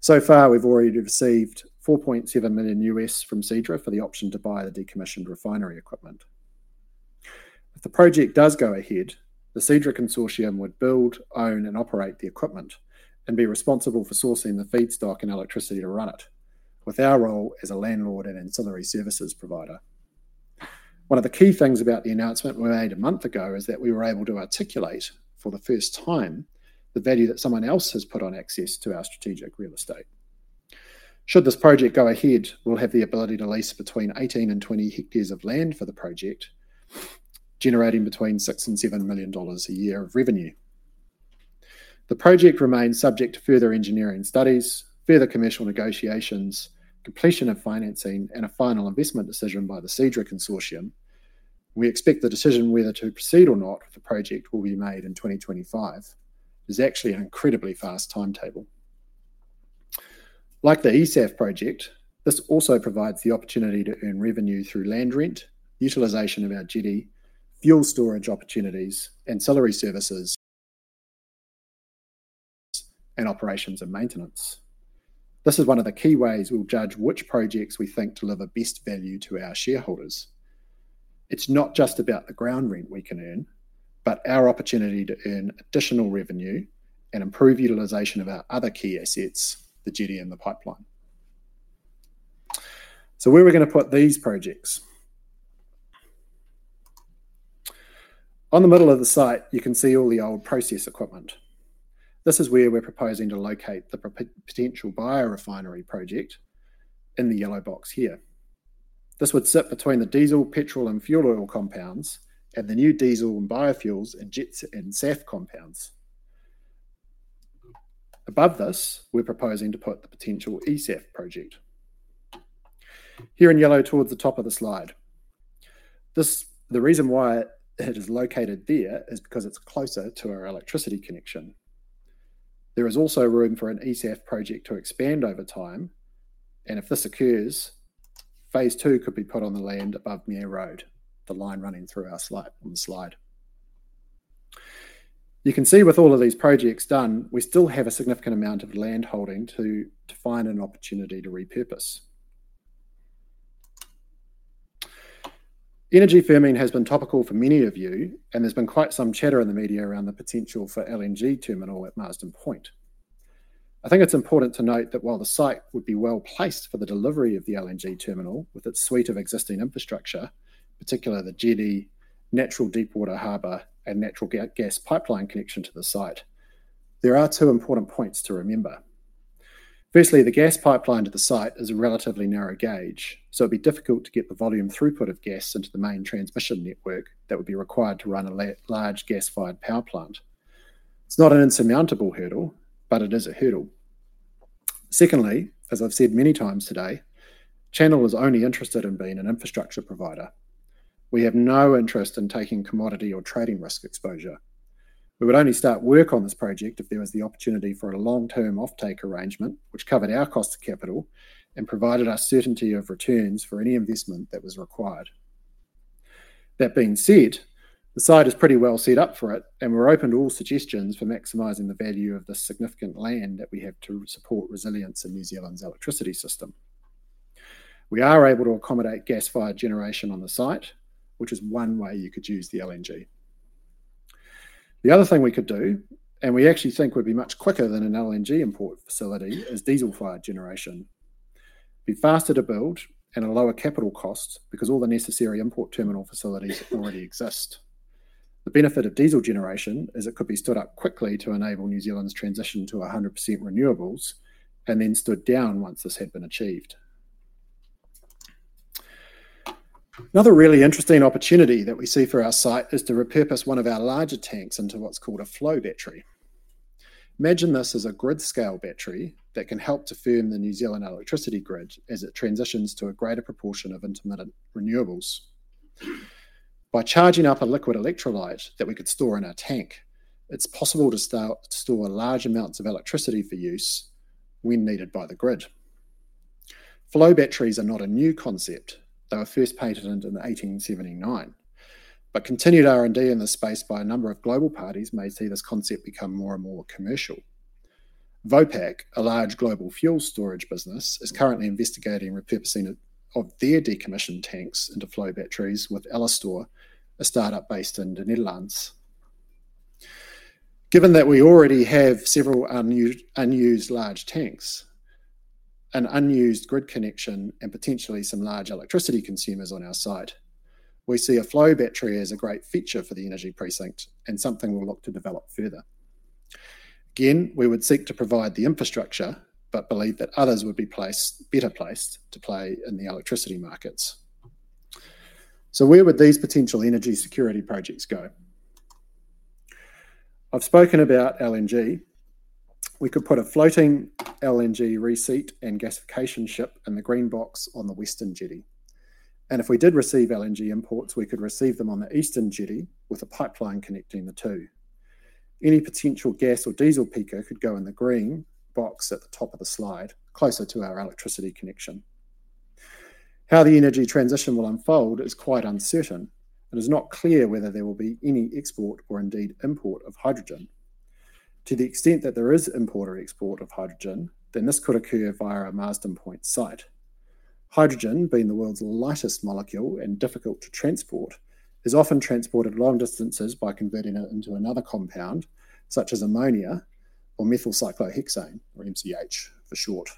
So far, we've already received $4.7 million USD from Seadra Energy for the option to buy the decommissioned refinery equipment. If the project does go ahead, the Seadra Energy consortium would build, own, and operate the equipment and be responsible for sourcing the feedstock and electricity to run it, with our role as a landlord and ancillary services provider. One of the key things about the announcement we made a month ago is that we were able to articulate, for the first time, the value that someone else has put on access to our strategic real estate. Should this project go ahead, we'll have the ability to lease between 18 and 20 hectares of land for the project, generating between 6 million and 7 million dollars a year of revenue. The project remains subject to further engineering studies, further commercial negotiations, completion of financing, and a final investment decision by the Seadra Energy consortium. We expect the decision whether to proceed or not with the project will be made in twenty twenty-five, which is actually an incredibly fast timetable. Like the eSAF project, this also provides the opportunity to earn revenue through land rent, utilization of our jetty, fuel storage opportunities, ancillary services, and operations and maintenance. This is one of the key ways we'll judge which projects we think deliver best value to our shareholders. It's not just about the ground rent we can earn, but our opportunity to earn additional revenue and improve utilization of our other key assets, the jetty and the pipeline. So where are we gonna put these projects? On the middle of the site, you can see all the old process equipment. This is where we're proposing to locate the potential biorefinery project, in the yellow box here. This would sit between the diesel, petrol, and fuel oil compounds and the new diesel and biofuels and jets and SAF compounds. Above this, we're proposing to put the potential eSAF project. Here in yellow towards the top of the slide. This, the reason why it is located there is because it's closer to our electricity connection. There is also room for an eSAF project to expand over time, and if this occurs, phase two could be put on the land above Mair Road, the line running through our slide, on the slide. You can see with all of these projects done, we still have a significant amount of landholding to find an opportunity to repurpose. Energy firming has been topical for many of you, and there's been quite some chatter in the media around the potential for LNG terminal at Marsden Point. I think it's important to note that while the site would be well-placed for the delivery of the LNG terminal, with its suite of existing infrastructure, particularly the jetty, natural deep water harbor, and natural gas pipeline connection to the site, there are two important points to remember. Firstly, the gas pipeline to the site is a relatively narrow gauge, so it'd be difficult to get the volume throughput of gas into the main transmission network that would be required to run a large gas-fired power plant. It's not an insurmountable hurdle, but it is a hurdle. Secondly, as I've said many times today, Channel is only interested in being an infrastructure provider. We have no interest in taking commodity or trading risk exposure... We would only start work on this project if there was the opportunity for a long-term offtake arrangement, which covered our cost of capital and provided us certainty of returns for any investment that was required. That being said, the site is pretty well set up for it, and we're open to all suggestions for maximizing the value of the significant land that we have to support resilience in New Zealand's electricity system. We are able to accommodate gas-fired generation on the site, which is one way you could use the LNG. The other thing we could do, and we actually think would be much quicker than an LNG import facility, is diesel-fired generation. It'd be faster to build and a lower capital cost because all the necessary import terminal facilities already exist. The benefit of diesel generation is it could be stood up quickly to enable New Zealand's transition to 100% renewables, and then stood down once this had been achieved. Another really interesting opportunity that we see for our site is to repurpose one of our larger tanks into what's called a flow battery. Imagine this as a grid-scale battery that can help to firm the New Zealand electricity grid as it transitions to a greater proportion of intermittent renewables. By charging up a liquid electrolyte that we could store in our tank, it's possible to start to store large amounts of electricity for use when needed by the grid. Flow batteries are not a new concept. They were first patented in 1879, but continued R&D in this space by a number of global parties may see this concept become more and more commercial. Vopak, a large global fuel storage business, is currently investigating repurposing it, of their decommissioned tanks into flow batteries with Elestor, a startup based in the Netherlands. Given that we already have several unused large tanks, an unused grid connection, and potentially some large electricity consumers on our site, we see a flow battery as a great feature for the Energy Precinct and something we'll look to develop further. Again, we would seek to provide the infrastructure, but believe that others would be better placed to play in the electricity markets. So where would these potential energy security projects go? I've spoken about LNG. We could put a floating LNG receipt and gasification ship in the green box on the western jetty, and if we did receive LNG imports, we could receive them on the eastern jetty with a pipeline connecting the two. Any potential gas or diesel peaker could go in the green box at the top of the slide, closer to our electricity connection. How the energy transition will unfold is quite uncertain. It is not clear whether there will be any export or indeed import of hydrogen. To the extent that there is import or export of hydrogen, then this could occur via a Marsden Point site. Hydrogen, being the world's lightest molecule and difficult to transport, is often transported long distances by converting it into another compound, such as ammonia or methylcyclohexane, or MCH for short.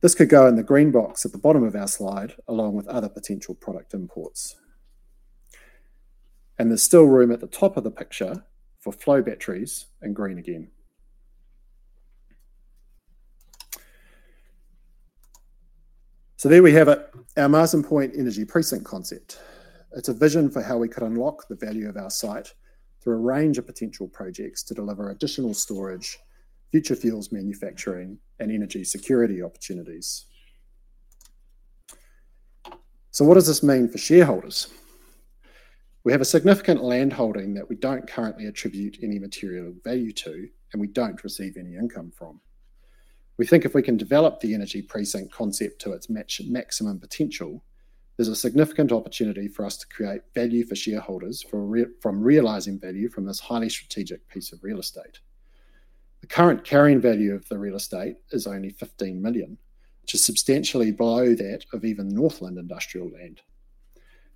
This could go in the green box at the bottom of our slide, along with other potential product imports, and there's still room at the top of the picture for flow batteries in green again, so there we have it, our Marsden Point Energy Precinct concept. It's a vision for how we could unlock the value of our site through a range of potential projects to deliver additional storage, future fuels manufacturing, and energy security opportunities, so what does this mean for shareholders? We have a significant land holding that we don't currently attribute any material value to, and we don't receive any income from. We think if we can develop the Energy Precinct concept to its maximum potential, there's a significant opportunity for us to create value for shareholders from realizing value from this highly strategic piece of real estate. The current carrying value of the real estate is only 15 million, which is substantially below that of even Northland industrial land.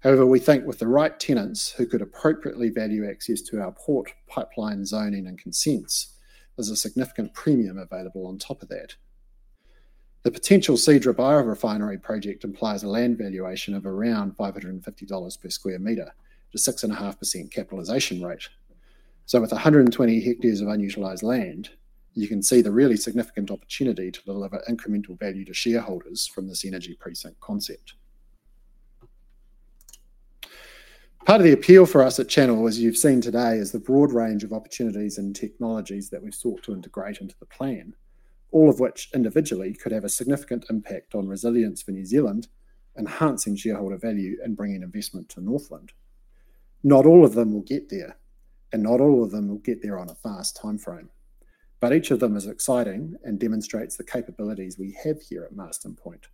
However, we think with the right tenants who could appropriately value access to our port, pipeline, zoning, and consents, there's a significant premium available on top of that. The potential Seadra Energy biorefinery project implies a land valuation of around 550 dollars per square meter, to 6.5% capitalization rate. With 120 hectares of unutilized land, you can see the really significant opportunity to deliver incremental value to shareholders from this Energy Precinct concept. Part of the appeal for us at Channel, as you've seen today, is the broad range of opportunities and technologies that we've sought to integrate into the plan, all of which individually could have a significant impact on resilience for New Zealand, enhancing shareholder value and bringing investment to Northland. Not all of them will get there, and not all of them will get there on a fast timeframe, but each of them is exciting and demonstrates the capabilities we have here at Marsden Point.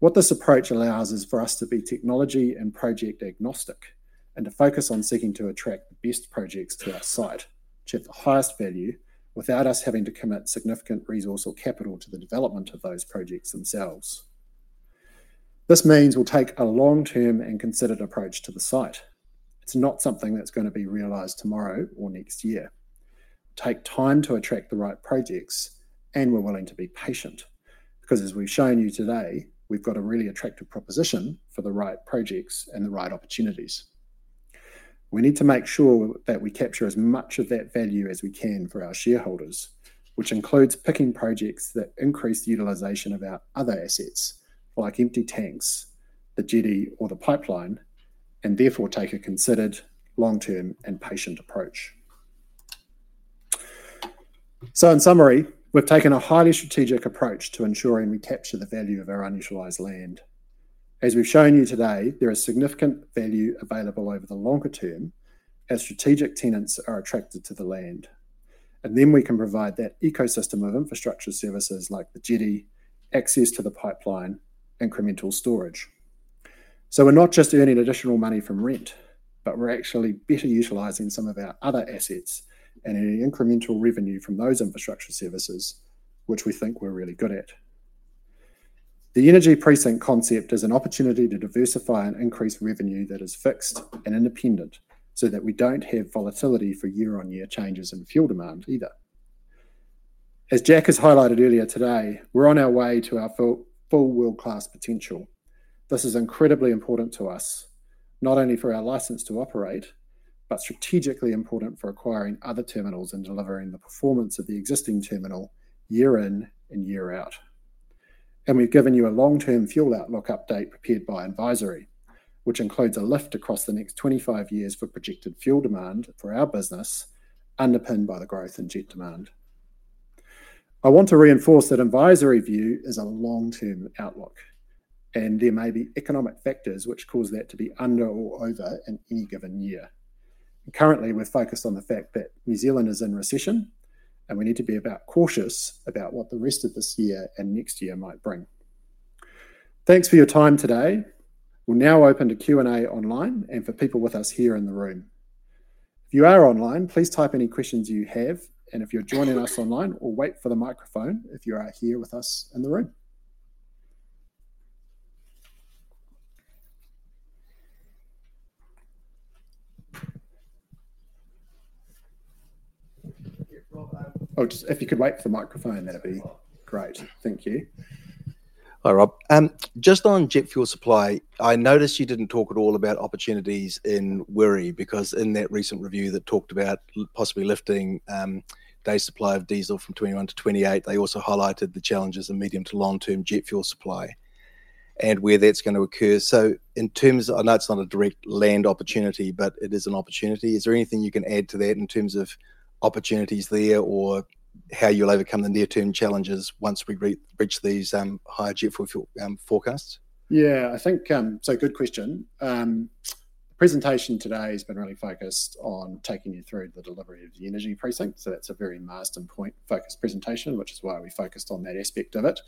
What this approach allows is for us to be technology and project agnostic, and to focus on seeking to attract the best projects to our site, which have the highest value, without us having to commit significant resource or capital to the development of those projects themselves. This means we'll take a long-term and considered approach to the site. It's not something that's going to be realized tomorrow or next year. Take time to attract the right projects, and we're willing to be patient, because as we've shown you today, we've got a really attractive proposition for the right projects and the right opportunities. We need to make sure that we capture as much of that value as we can for our shareholders, which includes picking projects that increase the utilization of our other assets, like empty tanks, the jetty, or the pipeline, and therefore, take a considered, long-term, and patient approach.... So in summary, we've taken a highly strategic approach to ensuring we capture the value of our unutilized land. As we've shown you today, there is significant value available over the longer term, as strategic tenants are attracted to the land, and then we can provide that ecosystem of infrastructure services, like the jetty, access to the pipeline, incremental storage. So we're not just earning additional money from rent, but we're actually better utilizing some of our other assets and earning incremental revenue from those infrastructure services, which we think we're really good at. The Energy Precinct concept is an opportunity to diversify and increase revenue that is fixed and independent, so that we don't have volatility for year-on-year changes in fuel demand either. As Jack has highlighted earlier today, we're on our way to our full, full world-class potential. This is incredibly important to us, not only for our license to operate, but strategically important for acquiring other terminals and delivering the performance of the existing terminal year in and year out, and we've given you a long-term fuel outlook update prepared by Hale & Twomey, which includes a lift across the next 25 years for projected fuel demand for our business, underpinned by the growth in jet demand. I want to reinforce that Hale & Twomey view is a long-term outlook, and there may be economic factors which cause that to be under or over in any given year, and currently, we're focused on the fact that New Zealand is in recession, and we need to be about cautious about what the rest of this year and next year might bring. Thanks for your time today. We'll now open to Q&A online and for people with us here in the room. If you are online, please type any questions you have, or wait for the microphone if you are here with us in the room. Rob, um- Oh, just if you could wait for the microphone, that'd be great. Thank you. Hi, Rob. Just on jet fuel supply, I noticed you didn't talk at all about opportunities in Wiri, because in that recent review that talked about possibly lifting day supply of diesel from 21 to 28, they also highlighted the challenges in medium to long-term jet fuel supply and where that's going to occur. So in terms... I know it's not a direct land opportunity, but it is an opportunity. Is there anything you can add to that in terms of opportunities there or how you'll overcome the near-term challenges once we reach these higher jet fuel forecasts? Yeah, I think. So good question. The presentation today has been really focused on taking you through the delivery of the Energy Precinct, so that's a very Marsden Point-focused presentation, which is why we focused on that aspect of it.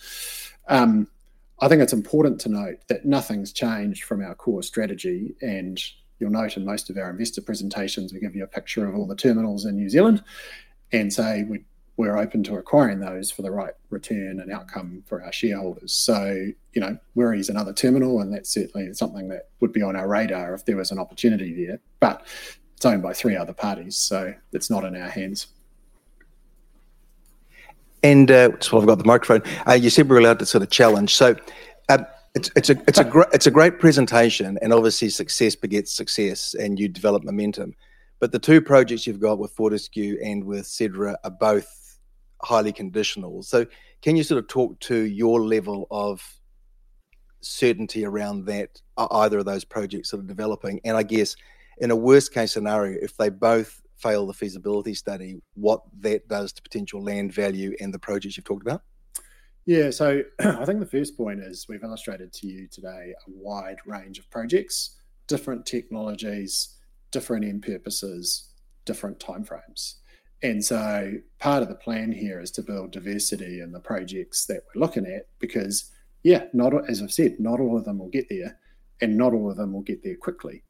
I think it's important to note that nothing's changed from our core strategy, and you'll note in most of our investor presentations, we give you a picture of all the terminals in New Zealand and say, "We're open to acquiring those for the right return and outcome for our shareholders." So, you know, Wiri is another terminal, and that's certainly something that would be on our radar if there was an opportunity there, but it's owned by three other parties, so it's not in our hands. I've got the microphone. You said we're allowed to sort of challenge. It's a great presentation, and obviously, success begets success, and you develop momentum. But the two projects you've got with Fortescue and with Seadra Energy are both highly conditional. Can you sort of talk to your level of certainty around that, either of those projects sort of developing? I guess in a worst-case scenario, if they both fail the feasibility study, what that does to potential land value and the projects you've talked about? Yeah, so I think the first point is we've illustrated to you today a wide range of projects, different technologies, different end purposes, different timeframes. And so part of the plan here is to build diversity in the projects that we're looking at because, yeah, as I've said, not all of them will get there, and not all of them will get there quickly.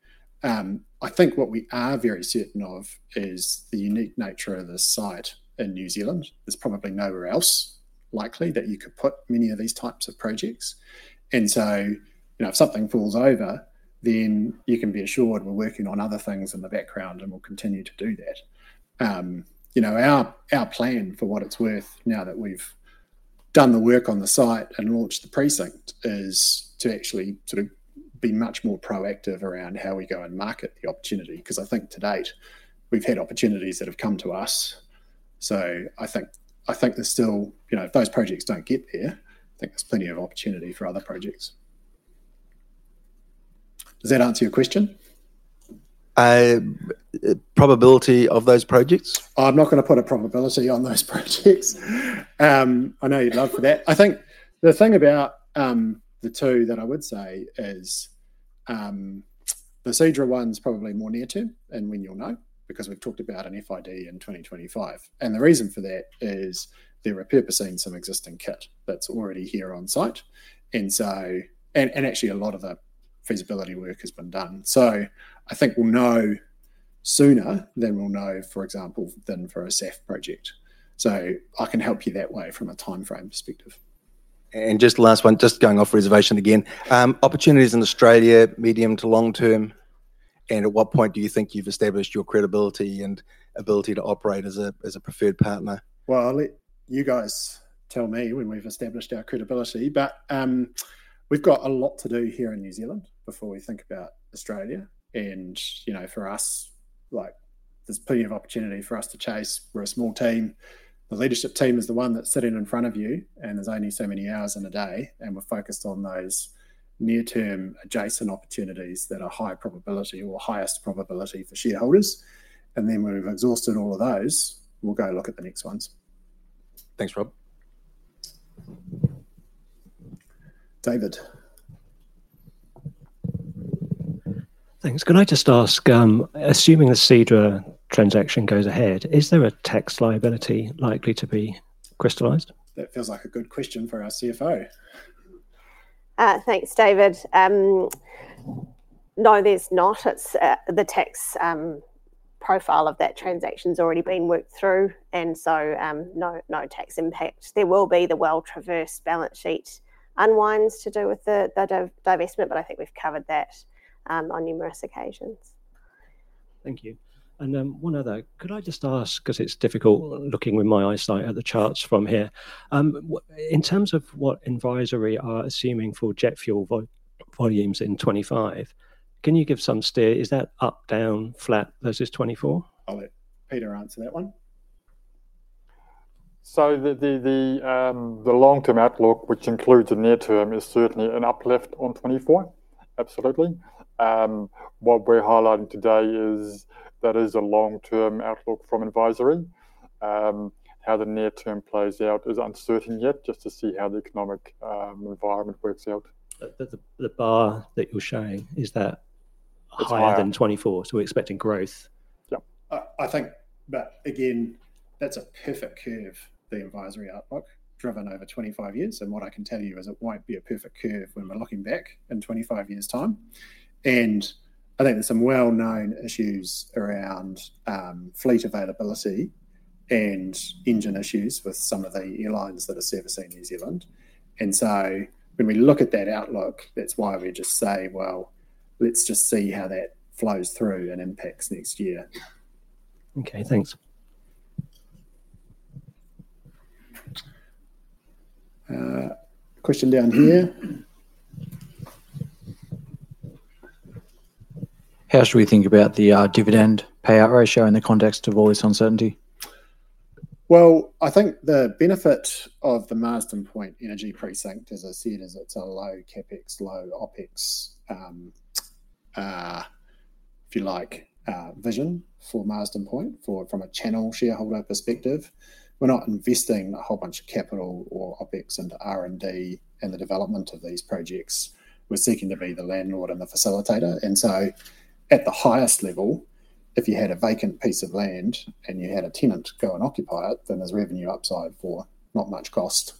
I think what we are very certain of is the unique nature of this site in New Zealand. There's probably nowhere else likely that you could put many of these types of projects. And so, you know, if something falls over, then you can be assured we're working on other things in the background, and we'll continue to do that. You know, our plan, for what it's worth, now that we've done the work on the site and launched the precinct, is to actually sort of be much more proactive around how we go and market the opportunity, 'cause I think to date, we've had opportunities that have come to us. So I think there's still... You know, if those projects don't get there, I think there's plenty of opportunity for other projects. Does that answer your question? Probability of those projects? I'm not gonna put a probability on those projects. I know you'd love for that. I think the thing about the two that I would say is the Seadra one's probably more near term and when you'll know, because we've talked about an FID in 2025, and the reason for that is they're repurposing some existing kit that's already here on site. Actually, a lot of the feasibility work has been done. So I think we'll know sooner than we'll know, for example, than for a SAF project. So I can help you that way from a timeframe perspective. And just the last one, just going off reservation again. Opportunities in Australia, medium to long term, and at what point do you think you've established your credibility and ability to operate as a preferred partner? I'll let you guys tell me when we've established our credibility, but we've got a lot to do here in New Zealand before we think about Australia, and you know, for us, like, there's plenty of opportunity for us to chase. We're a small team. The leadership team is the one that's sitting in front of you, and there's only so many hours in a day, and we're focused on those near-term adjacent opportunities that are high probability or highest probability for shareholders, and then when we've exhausted all of those, we'll go look at the next ones. Thanks, Rob.... David? Thanks. Could I just ask, assuming the Seadra transaction goes ahead, is there a tax liability likely to be crystallized? That feels like a good question for our CFO. Thanks, David. No, there's not. It's the tax profile of that transaction's already been worked through, and so, no, no tax impact. There will be the well-traversed balance sheet unwinds to do with the divestment, but I think we've covered that on numerous occasions. Thank you. And, one other: Could I just ask, 'cause it's difficult looking with my eyesight at the charts from here, in terms of what Hale & Twomey are assuming for jet fuel volumes in 2025, can you give some steer? Is that up, down, flat versus 2024? I'll let Peter answer that one. So the long-term outlook, which includes the near term, is certainly an uplift on 2024. Absolutely. What we're highlighting today is that a long-term outlook from Hale & Twomey. How the near term plays out is uncertain yet, just to see how the economic environment works out. But the bar that you're showing, is that higher than 2024? It's higher. So we're expecting growth? Yep. But again, that's a perfect curve, the Hale & Twomey outlook, driven over 25 years, and what I can tell you is it won't be a perfect curve when we're looking back in 25 years' time. I think there's some well-known issues around fleet availability and engine issues with some of the airlines that are servicing New Zealand. So when we look at that outlook, that's why we just say, "Well, let's just see how that flows through and impacts next year. Okay, thanks. Question down here. How should we think about the dividend payout ratio in the context of all this uncertainty? I think the benefit of the Marsden Point Energy Precinct, as I said, is it's a low CapEx, low OpEx, if you like, vision for Marsden Point from a Channel shareholder perspective. We're not investing a whole bunch of capital or OpEx into R&D and the development of these projects. We're seeking to be the landlord and the facilitator, and so at the highest level, if you had a vacant piece of land, and you had a tenant go and occupy it, then there's revenue upside for not much cost.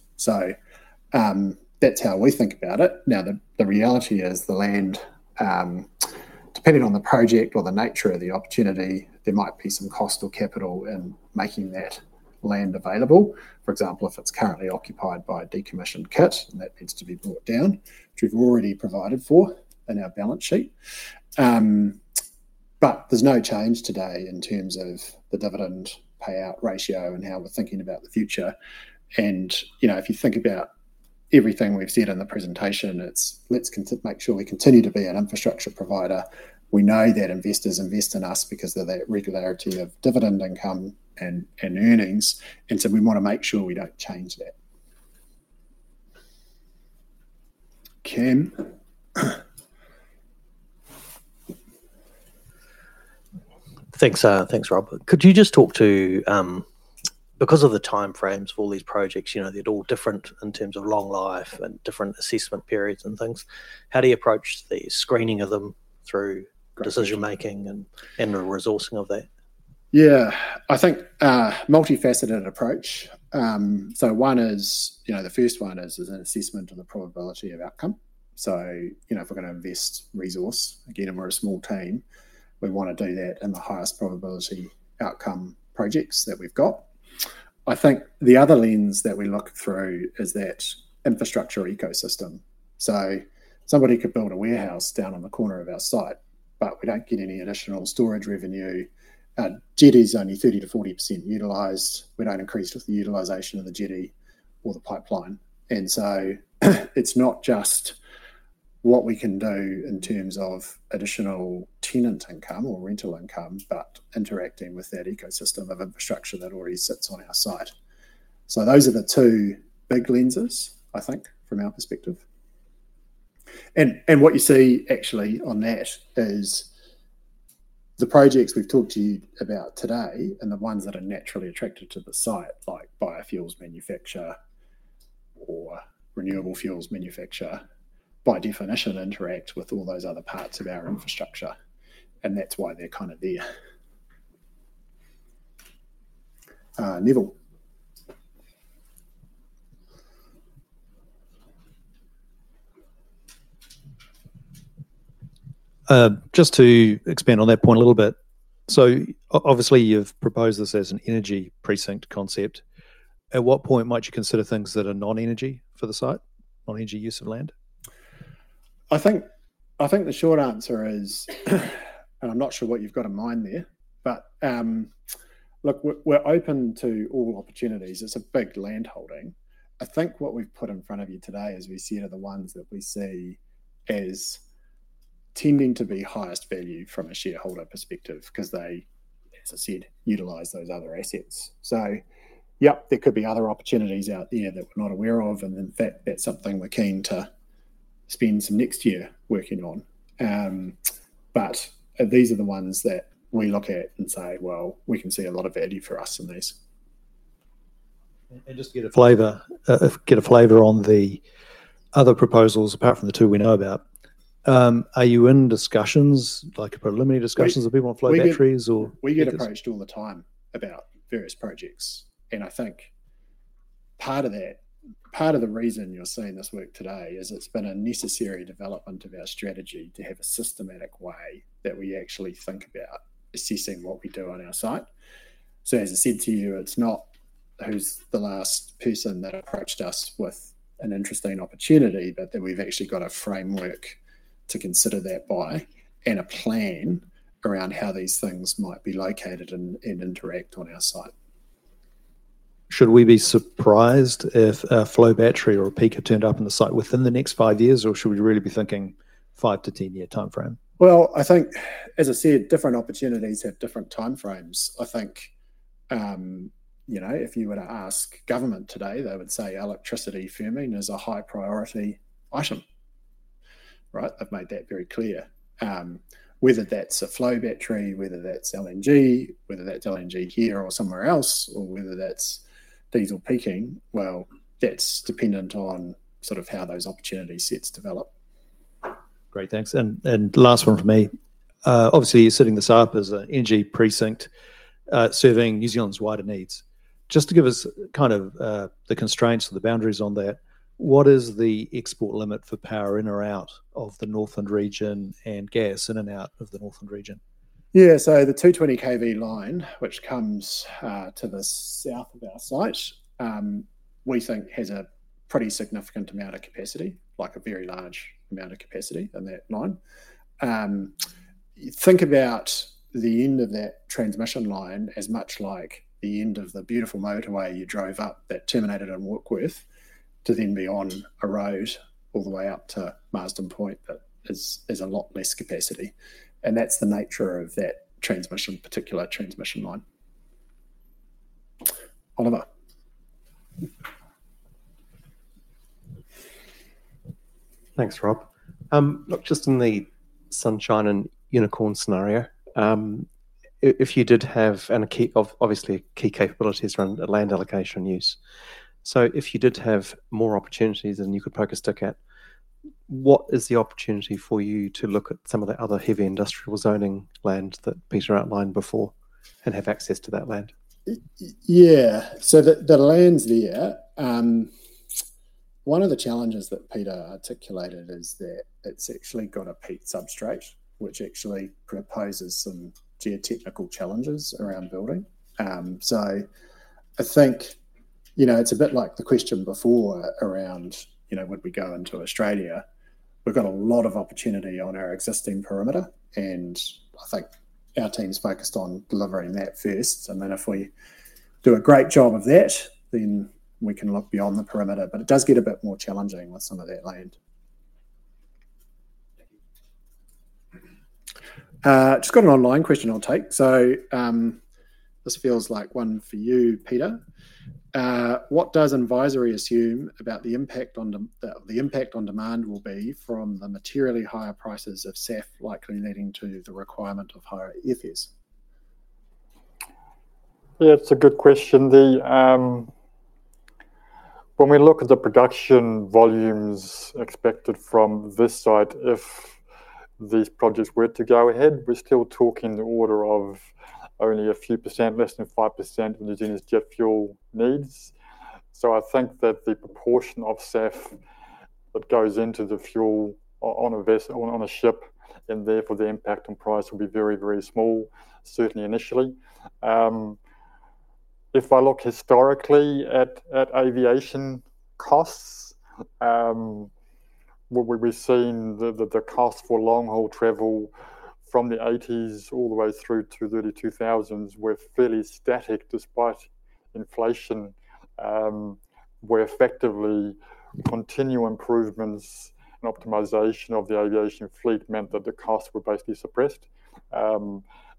That's how we think about it. Now, the reality is the land, depending on the project or the nature of the opportunity, there might be some cost or capital in making that land available. For example, if it's currently occupied by a decommissioned kit, and that needs to be brought down, which we've already provided for in our balance sheet. But there's no change today in terms of the dividend payout ratio and how we're thinking about the future, and, you know, if you think about everything we've said in the presentation, it's let's make sure we continue to be an infrastructure provider. We know that investors invest in us because of that regularity of dividend income and earnings, and so we wanna make sure we don't change that. Kim? Thanks, thanks, Rob. Could you just talk to... Because of the timeframes of all these projects, you know, they're all different in terms of long life and different assessment periods and things, how do you approach the screening of them through- Correct... decision-making and the resourcing of that? Yeah. I think a multifaceted approach. So one is, you know, the first one is an assessment of the probability of outcome. So, you know, if we're gonna invest resource, again, and we're a small team, we wanna do that in the highest probability outcome projects that we've got. I think the other lens that we look through is that infrastructure ecosystem. So somebody could build a warehouse down on the corner of our site, but we don't get any additional storage revenue. Our jetty's only 30%-40% utilized. We don't increase with the utilization of the jetty or the pipeline, and so it's not just what we can do in terms of additional tenant income or rental income, but interacting with that ecosystem of infrastructure that already sits on our site. So those are the two big lenses, I think, from our perspective. What you see actually on that is the projects we've talked to you about today and the ones that are naturally attracted to the site, like biofuels manufacture or renewable fuels manufacture, by definition interact with all those other parts of our infrastructure, and that's why they're kind of there. Neville? Just to expand on that point a little bit, so obviously, you've proposed this as an energy precinct concept. At what point might you consider things that are non-energy for the site, non-energy use of land? I think the short answer is, and I'm not sure what you've got in mind there, but look, we're open to all opportunities. It's a big land holding. I think what we've put in front of you today, as we said, are the ones that we see as tending to be highest value from a shareholder perspective, 'cause they, as I said, utilize those other assets, so yep, there could be other opportunities out there that we're not aware of, and in fact, that's something we're keen to spend some next year working on, but these are the ones that we look at and say, "Well, we can see a lot of value for us in these.... And just to get a flavor on the other proposals, apart from the two we know about, are you in discussions, like preliminary discussions- We, we- with people on flow batteries or? We get approached all the time about various projects, and I think part of that, part of the reason you're seeing this work today is it's been a necessary development of our strategy to have a systematic way that we actually think about assessing what we do on our site. So as I said to you, it's not who's the last person that approached us with an interesting opportunity, but that we've actually got a framework to consider that by, and a plan around how these things might be located and interact on our site. Should we be surprised if a flow battery or a peaker turned up on the site within the next five years, or should we really be thinking five to 10-year timeframe? I think, as I said, different opportunities have different timeframes. I think, you know, if you were to ask government today, they would say electricity firming is a high priority item, right? They've made that very clear. Whether that's a flow battery, whether that's LNG, whether that's LNG here or somewhere else, or whether that's diesel peaking, well, that's dependent on sort of how those opportunity sets develop. Great, thanks. And last one from me. Obviously you're setting this up as an Energy Precinct, serving New Zealand's wider needs. Just to give us kind of the constraints or the boundaries on that, what is the export limit for power in or out of the Northland region and gas in and out of the Northland region? Yeah, so the 220 kV line, which comes to the south of our site, we think has a pretty significant amount of capacity, like a very large amount of capacity in that line. Think about the end of that transmission line as much like the end of the beautiful motorway you drove up that terminated in Warkworth, to then be on a road all the way up to Marsden Point, that is a lot less capacity, and that's the nature of that transmission, particular transmission line. Oliver? Thanks, Rob. Look, just in the sunshine and unicorn scenario, if you did have and a key, obviously, key capabilities around land allocation use. So if you did have more opportunities than you could poke a stick at, what is the opportunity for you to look at some of the other heavy industrial zoning land that Peter outlined before and have access to that land? Yeah, so the land's there. One of the challenges that Peter articulated is that it's actually got a peat substrate, which actually proposes some geotechnical challenges around building. So I think, you know, it's a bit like the question before around, you know, would we go into Australia? We've got a lot of opportunity on our existing perimeter, and I think our team's focused on delivering that first, and then if we do a great job of that, then we can look beyond the perimeter, but it does get a bit more challenging with some of that land. Thank you. Just got an online question I'll take. So, this feels like one for you, Peter. What does advisory assume about the impact on demand will be from the materially higher prices of SAF, likely leading to the requirement of higher EFS? Yeah, it's a good question. When we look at the production volumes expected from this site, if these projects were to go ahead, we're still talking in the order of only a few percent, less than 5% of New Zealand's jet fuel needs. So I think that the proportion of SAF that goes into the fuel on a vessel on a ship, and therefore the impact on price will be very, very small, certainly initially. If I look historically at aviation costs, what we were seeing, the cost for long-haul travel from the '80s all the way through to the 2000s were fairly static, despite inflation. Where effectively, continued improvements and optimization of the aviation fleet meant that the costs were basically suppressed.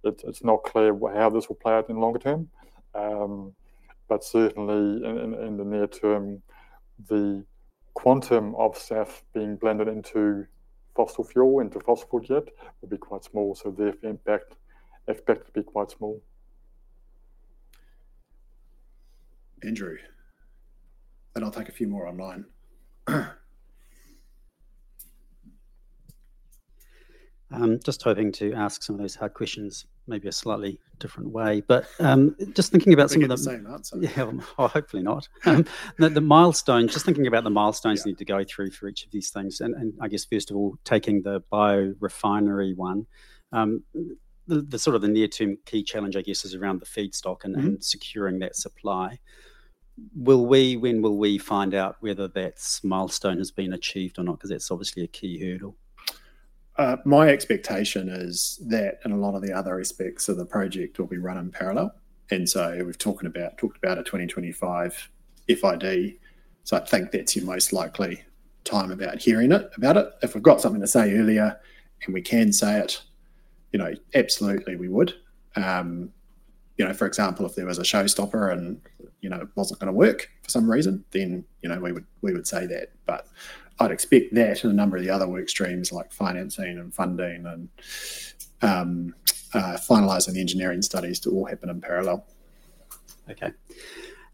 It's not clear how this will play out in the longer term, but certainly in the near term, the quantum of SAF being blended into fossil fuel, into fossil jet, will be quite small, so therefore impact expected to be quite small. Andrew, then I'll take a few more online. I'm just hoping to ask some of those hard questions maybe a slightly different way, but, just thinking about some of the- Getting the same answer. Yeah, well, hopefully not. The milestones, just thinking about the milestones- Yeah... you need to go through for each of these things, and I guess, first of all, taking the biorefinery one, the sort of the near-term key challenge, I guess, is around the feedstock- Mm-hmm... and then securing that supply. Will we, when will we find out whether that milestone has been achieved or not? 'Cause that's obviously a key hurdle. My expectation is that, and a lot of the other aspects of the project will be run in parallel, and so we've talked about a 2025 FID, so I think that's your most likely time about hearing about it. If we've got something to say earlier, and we can say it, you know, absolutely we would. You know, for example, if there was a showstopper and, you know, it wasn't gonna work for some reason, then, you know, we would say that. But I'd expect that and a number of the other work streams like financing and funding and finalizing the engineering studies to all happen in parallel. Okay.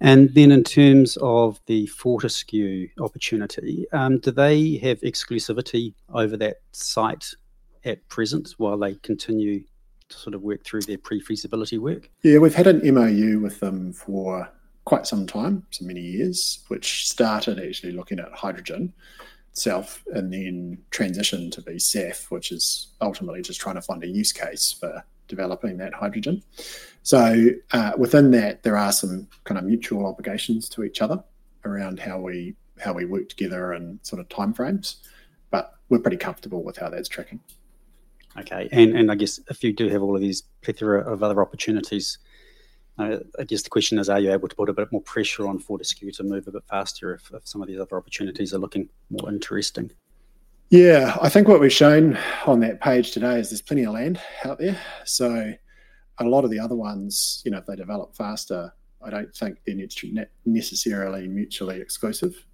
And then in terms of the Fortescue opportunity, do they have exclusivity over that site at present while they continue to sort of work through their pre-feasibility work? Yeah, we've had an MoU with them for quite some time, so many years, which started actually looking at hydrogen itself and then transitioned to be SAF, which is ultimately just trying to find a use case for developing that hydrogen. So, within that, there are some kind of mutual obligations to each other around how we work together and sort of timeframes, but we're pretty comfortable with how that's tracking. Okay. And I guess if you do have all of these plethora of other opportunities, I guess the question is, are you able to put a bit more pressure on Fortescue to move a bit faster if some of these other opportunities are looking more interesting? Yeah. I think what we've shown on that page today is there's plenty of land out there. So a lot of the other ones, you know, if they develop faster, I don't think they're necessarily mutually exclusive.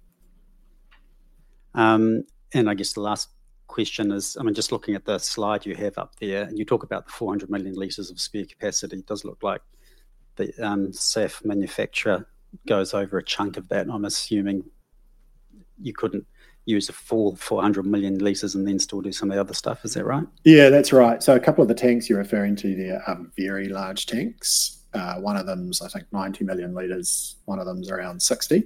And I guess the last question is, I mean, just looking at the slide you have up there, and you talk about the 400 million liters of spare capacity, it does look like the SAF manufacturer goes over a chunk of that, and I'm assuming you couldn't use the full 400 million liters and then still do some of the other stuff. Is that right? Yeah, that's right. So a couple of the tanks you're referring to there are very large tanks. One of them is, I think, 90 million liters, one of them is around 60.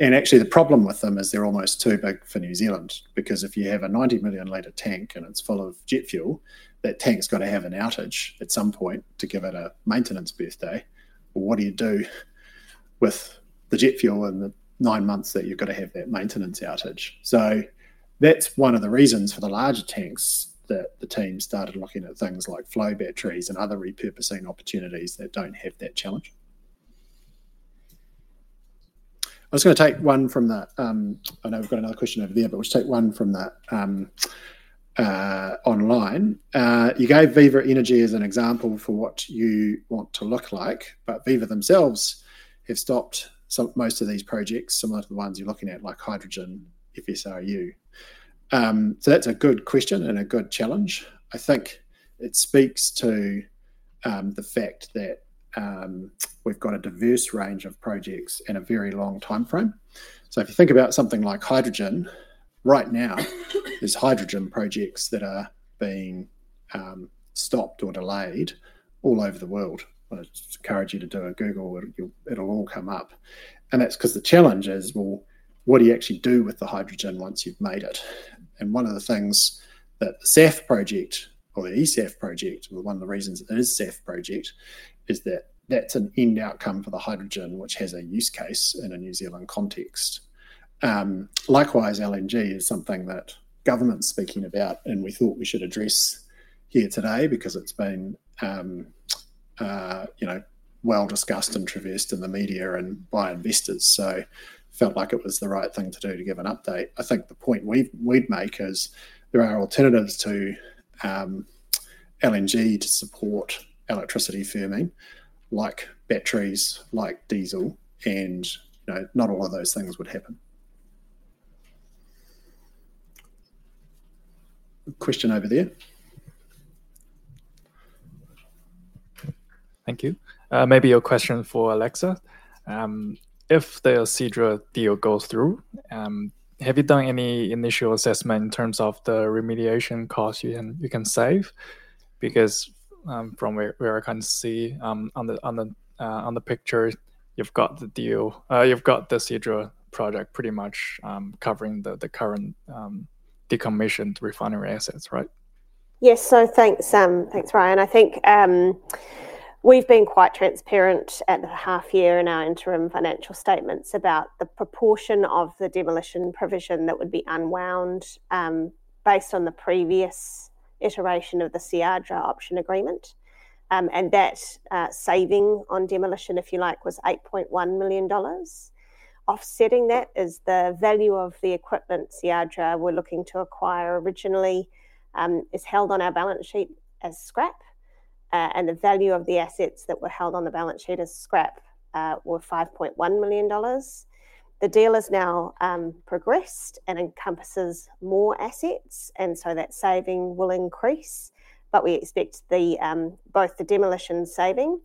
And actually, the problem with them is they're almost too big for New Zealand because if you have a 90 million liter tank and it's full of jet fuel, that tank's got to have an outage at some point to give it a maintenance birthday. What do you do with the jet fuel in the nine months that you've got to have that maintenance outage? So that's one of the reasons for the larger tanks, that the team started looking at things like flow batteries and other repurposing opportunities that don't have that challenge. I was going to take one from the... I know we've got another question over there, but we'll just take one from the online. You gave Viva Energy as an example for what you want to look like, but Viva themselves have stopped most of these projects, similar to the ones you're looking at, like hydrogen FSRU. So that's a good question and a good challenge. I think it speaks to the fact that we've got a diverse range of projects and a very long timeframe. If you think about something like hydrogen, right now, there's hydrogen projects that are being stopped or delayed all over the world. I encourage you to do a Google, and you'll, it'll all come up, and that's 'cause the challenge is, well, what do you actually do with the hydrogen once you've made it? And one of the things that the SAF project or the eSAF project, or one of the reasons it is SAF project, is that that's an end outcome for the hydrogen, which has a use case in a New Zealand context. Likewise, LNG is something that government's speaking about, and we thought we should address here today because it's been, you know, well discussed and traversed in the media and by investors, so felt like it was the right thing to do to give an update. I think the point we, we'd make is there are alternatives to LNG to support electricity firming, like batteries, like diesel, and, you know, not all of those things would happen. Question over there. Thank you. Maybe a question for Alexa. If the Seadra deal goes through, have you done any initial assessment in terms of the remediation costs you can save? Because, from where I can see, on the picture, you've got the Seadra project pretty much covering the current decommissioned refinery assets, right? Yes. So thanks, Ryan. I think we've been quite transparent at the half year in our interim financial statements about the proportion of the demolition provision that would be unwound based on the previous iteration of the Seadra option agreement. And that saving on demolition, if you like, was 8.1 million dollars. Offsetting that is the value of the equipment Seadra were looking to acquire originally is held on our balance sheet as scrap, and the value of the assets that were held on the balance sheet as scrap were 5.1 million dollars. The deal has now progressed and encompasses more assets, and so that saving will increase, but we expect both the demolition saving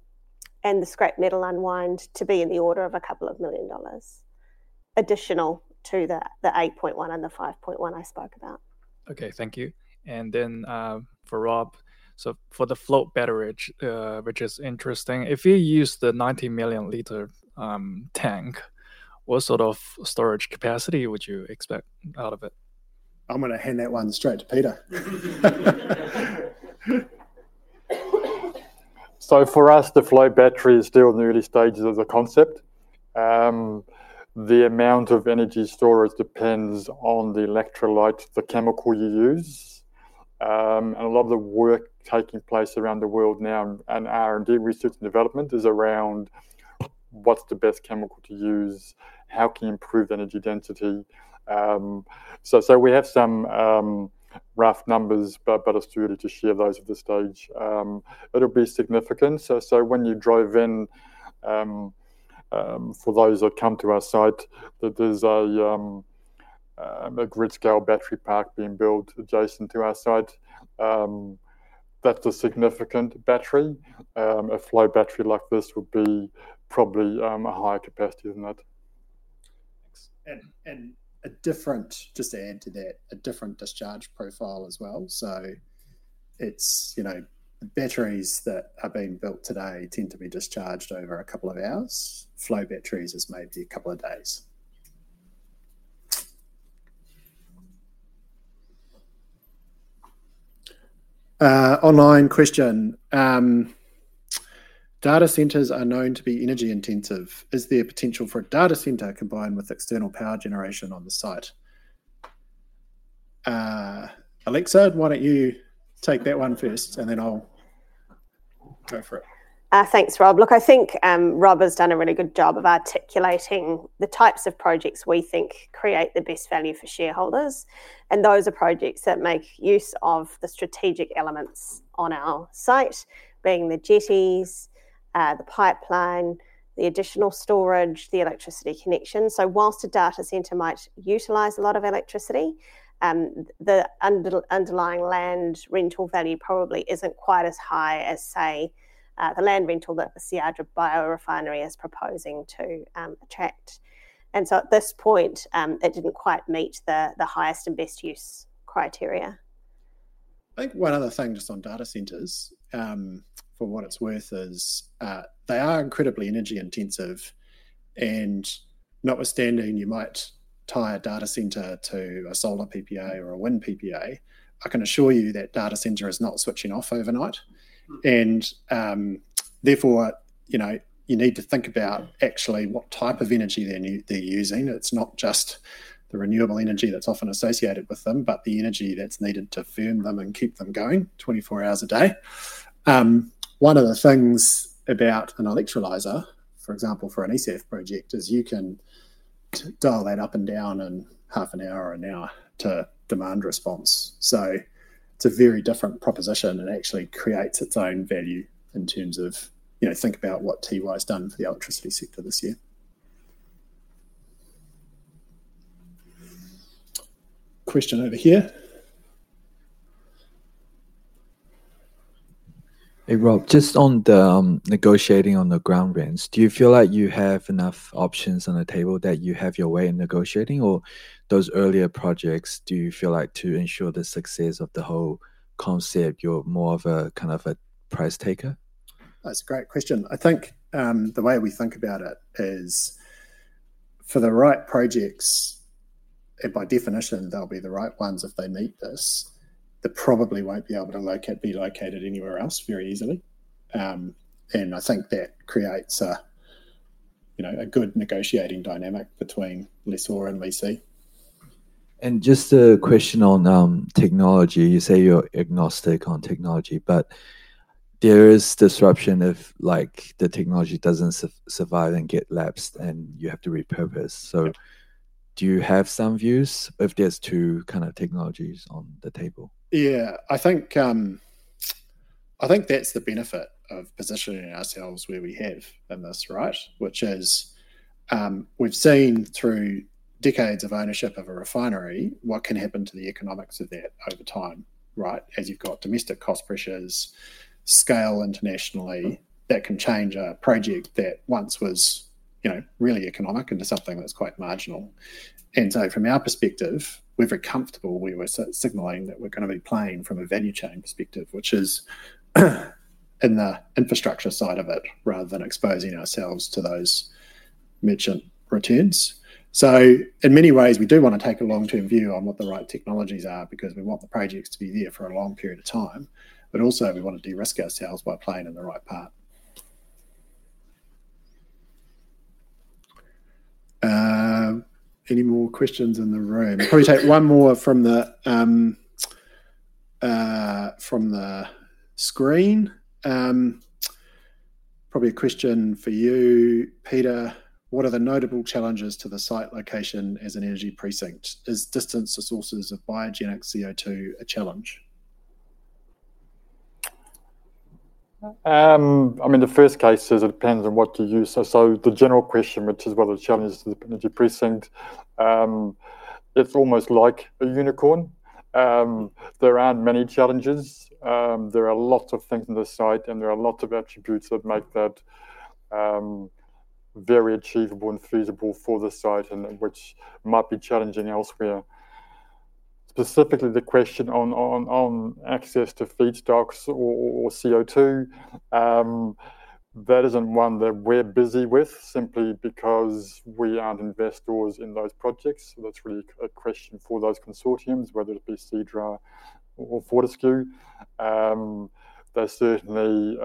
and the scrap metal unwind to be in the order of a couple of million NZD, additional to the 8.1 and the 5.1 I spoke about. Okay, thank you. And then, for Rob, so for the flow battery, which is interesting, if you use the 90 million liter tank, what sort of storage capacity would you expect out of it? I'm going to hand that one straight to Peter. So for us, the flow battery is still in the early stages of the concept. The amount of energy storage depends on the electrolyte, the chemical you use. And a lot of the work taking place around the world now and R&D, research and development, is around what's the best chemical to use? How can you improve energy density? So we have some rough numbers, but it's too early to share those at this stage. But it'll be significant. So when you drive in, for those that come to our site, that there's a grid scale battery park being built adjacent to our site. That's a significant battery. A flow battery like this would be probably a higher capacity than that. Thanks. And a different, just to add to that, a different discharge profile as well. So it's, you know, the batteries that are being built today tend to be discharged over a couple of hours. Flow batteries is maybe a couple of days. Online question. Data centers are known to be energy intensive. Is there potential for a data center combined with external power generation on the site? Alexa, why don't you take that one first, and then I'll go for it. Thanks, Rob. Look, I think Rob has done a really good job of articulating the types of projects we think create the best value for shareholders, and those are projects that make use of the strategic elements on our site, being the jetties, the pipeline, the additional storage, the electricity connection. So while a data center might utilize a lot of electricity, the underlying land rental value probably isn't quite as high as, say, the land rental that the Seadra biorefinery is proposing to attract. And so at this point, it didn't quite meet the highest and best use criteria. I think one other thing, just on data centers, for what it's worth, is, they are incredibly energy intensive, and notwithstanding, you might tie a data center to a solar PPA or a wind PPA, I can assure you that data center is not switching off overnight. Therefore, you know, you need to think about actually what type of energy they're using. It's not just the renewable energy that's often associated with them, but the energy that's needed to firm them and keep them going twenty-four hours a day. One of the things about an electrolyzer, for example, for an eSAF project, is you can dial that up and down in half an hour or an hour to demand response. It's a very different proposition and actually creates its own value in terms of, you know, think about what Tiwai done for the electricity sector this year. Question over here. Hey, Rob, just on the negotiating on the ground rents, do you feel like you have enough options on the table that you have your way in negotiating, or those earlier projects, do you feel like to ensure the success of the whole concept, you're more of a kind of a price taker? That's a great question. I think, the way we think about it is for the right projects, and by definition, they'll be the right ones if they meet this, they probably won't be able to be located anywhere else very easily. And I think that creates a, you know, a good negotiating dynamic between lessor and lessee. Just a question on technology. You say you're agnostic on technology, but there is disruption if, like, the technology doesn't survive and get lapsed and you have to repurpose. Do you have some views if there's two kind of technologies on the table? Yeah, I think, I think that's the benefit of positioning ourselves where we have in this, right? Which is, we've seen through decades of ownership of a refinery, what can happen to the economics of that over time, right? As you've got domestic cost pressures, scale internationally, that can change a project that once was, you know, really economic into something that's quite marginal. And so from our perspective, we're very comfortable we were signaling that we're going to be playing from a value chain perspective, which is, in the infrastructure side of it, rather than exposing ourselves to those merchant returns. So in many ways, we do want to take a long-term view on what the right technologies are because we want the projects to be there for a long period of time, but also we want to de-risk ourselves by playing in the right part. Any more questions in the room? Probably take one more from the screen. Probably a question for you, Peter. What are the notable challenges to the site location as an energy precinct? Is distance to sources of biogenic CO2 a challenge? I mean, the first case is it depends on what you use. So the general question, which is what are the challenges to the Energy Precinct, it's almost like a unicorn. There aren't many challenges. There are a lot of things in the site, and there are a lot of attributes that make that very achievable and feasible for the site and which might be challenging elsewhere. Specifically, the question on access to feedstocks or CO2, that isn't one that we're busy with simply because we aren't investors in those projects. So that's really a question for those consortiums, whether it be Seadra or Fortescue. They're certainly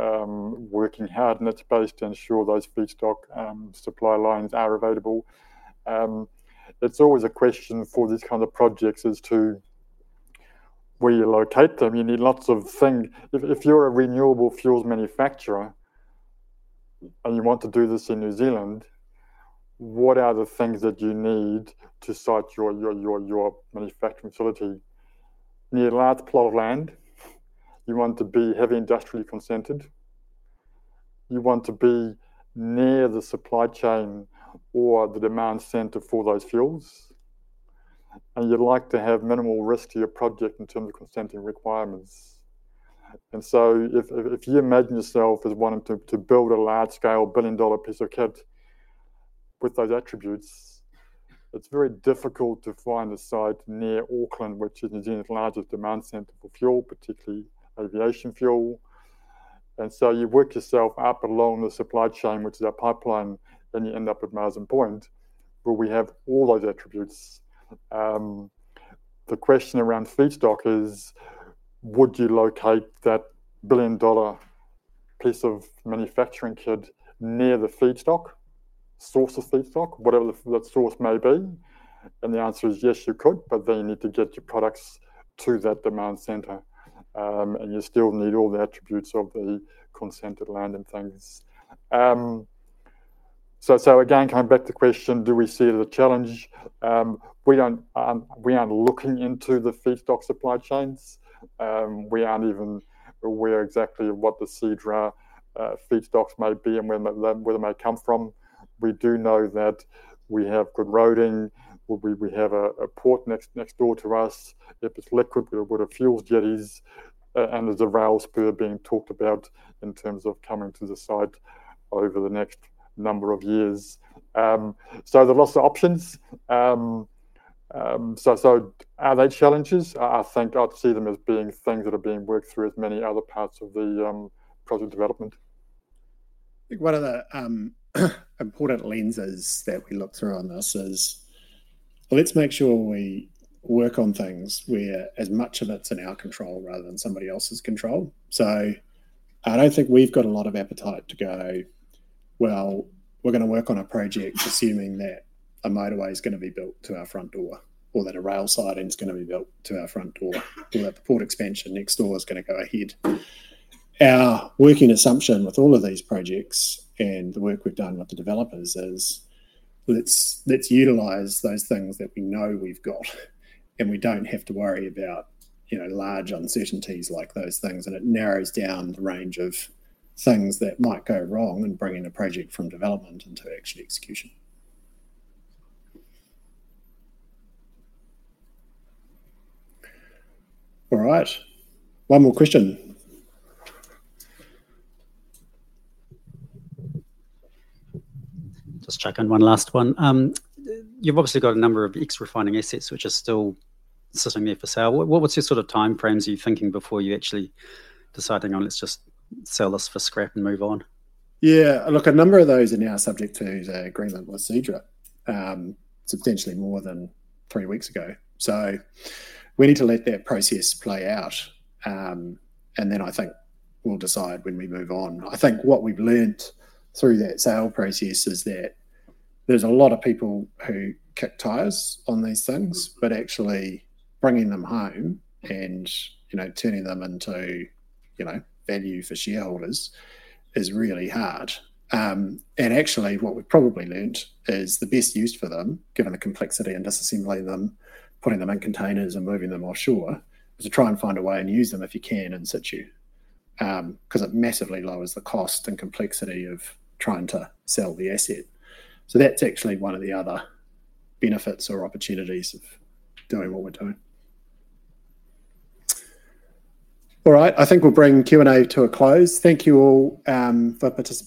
working hard in that space to ensure those feedstock supply lines are available. It's always a question for these kind of projects as to where you locate them. You need lots of things. If you're a renewable fuels manufacturer and you want to do this in New Zealand, what are the things that you need to site your manufacturing facility? You need a large plot of land, you want to be heavy industrially consented. You want to be near the supply chain or the demand center for those fuels, and you'd like to have minimal risk to your project in terms of consenting requirements, and so if you imagine yourself as wanting to build a large-scale billion-dollar piece of kit with those attributes, it's very difficult to find a site near Auckland, which is New Zealand's largest demand center for fuel, particularly aviation fuel, and so you work yourself up along the supply chain, which is our pipeline, and you end up at Marsden Point, where we have all those attributes. The question around feedstock is: would you locate that billion-dollar piece of manufacturing kit near the feedstock, source of feedstock, whatever that source may be? And the answer is yes, you could, but then you need to get your products to that demand center. And you still need all the attributes of the consented land and things. So, so again, coming back to the question, do we see the challenge? We don't, we aren't looking into the feedstock supply chains. We aren't even aware exactly of what the Seadra feedstocks may be and where they may come from. We do know that we have good roading, we have a port next door to us. If it's liquid, we've got a fuel jetty, and there's a rail spur being talked about in terms of coming to the site over the next number of years. So there are lots of options. So are they challenges? I think I'd see them as being things that are being worked through as many other parts of the project development. I think one of the important lenses that we look through on this is, let's make sure we work on things where as much of it's in our control rather than somebody else's control. I don't think we've got a lot of appetite to go, "Well, we're gonna work on a project assuming that a motorway is gonna be built to our front door, or that a rail siding is gonna be built to our front door, or that the port expansion next door is gonna go ahead." Our working assumption with all of these projects and the work we've done with the developers is, let's utilize those things that we know we've got, and we don't have to worry about, you know, large uncertainties like those things, and it narrows down the range of things that might go wrong and bring in a project from development into actual execution. All right. One more question. Just check on one last one. You've obviously got a number of ex-refining assets which are still sitting there for sale. What's your sort of timeframe are you thinking before you actually deciding on, "Let's just sell this for scrap and move on? Yeah, look, a number of those are now subject to the green light procedure, substantially more than three weeks ago. So we need to let that process play out, and then I think we'll decide when we move on. I think what we've learnt through that sale process is that there's a lot of people who kick tires on these things, but actually bringing them home and, you know, turning them into, you know, value for shareholders is really hard, and actually, what we've probably learnt is the best use for them, given the complexity in disassembling them, putting them in containers, and moving them offshore, is to try and find a way and use them if you can in situ. 'Cause it massively lowers the cost and complexity of trying to sell the asset. So that's actually one of the other benefits or opportunities of doing what we're doing. All right, I think we'll bring Q&A to a close. Thank you all, for participating-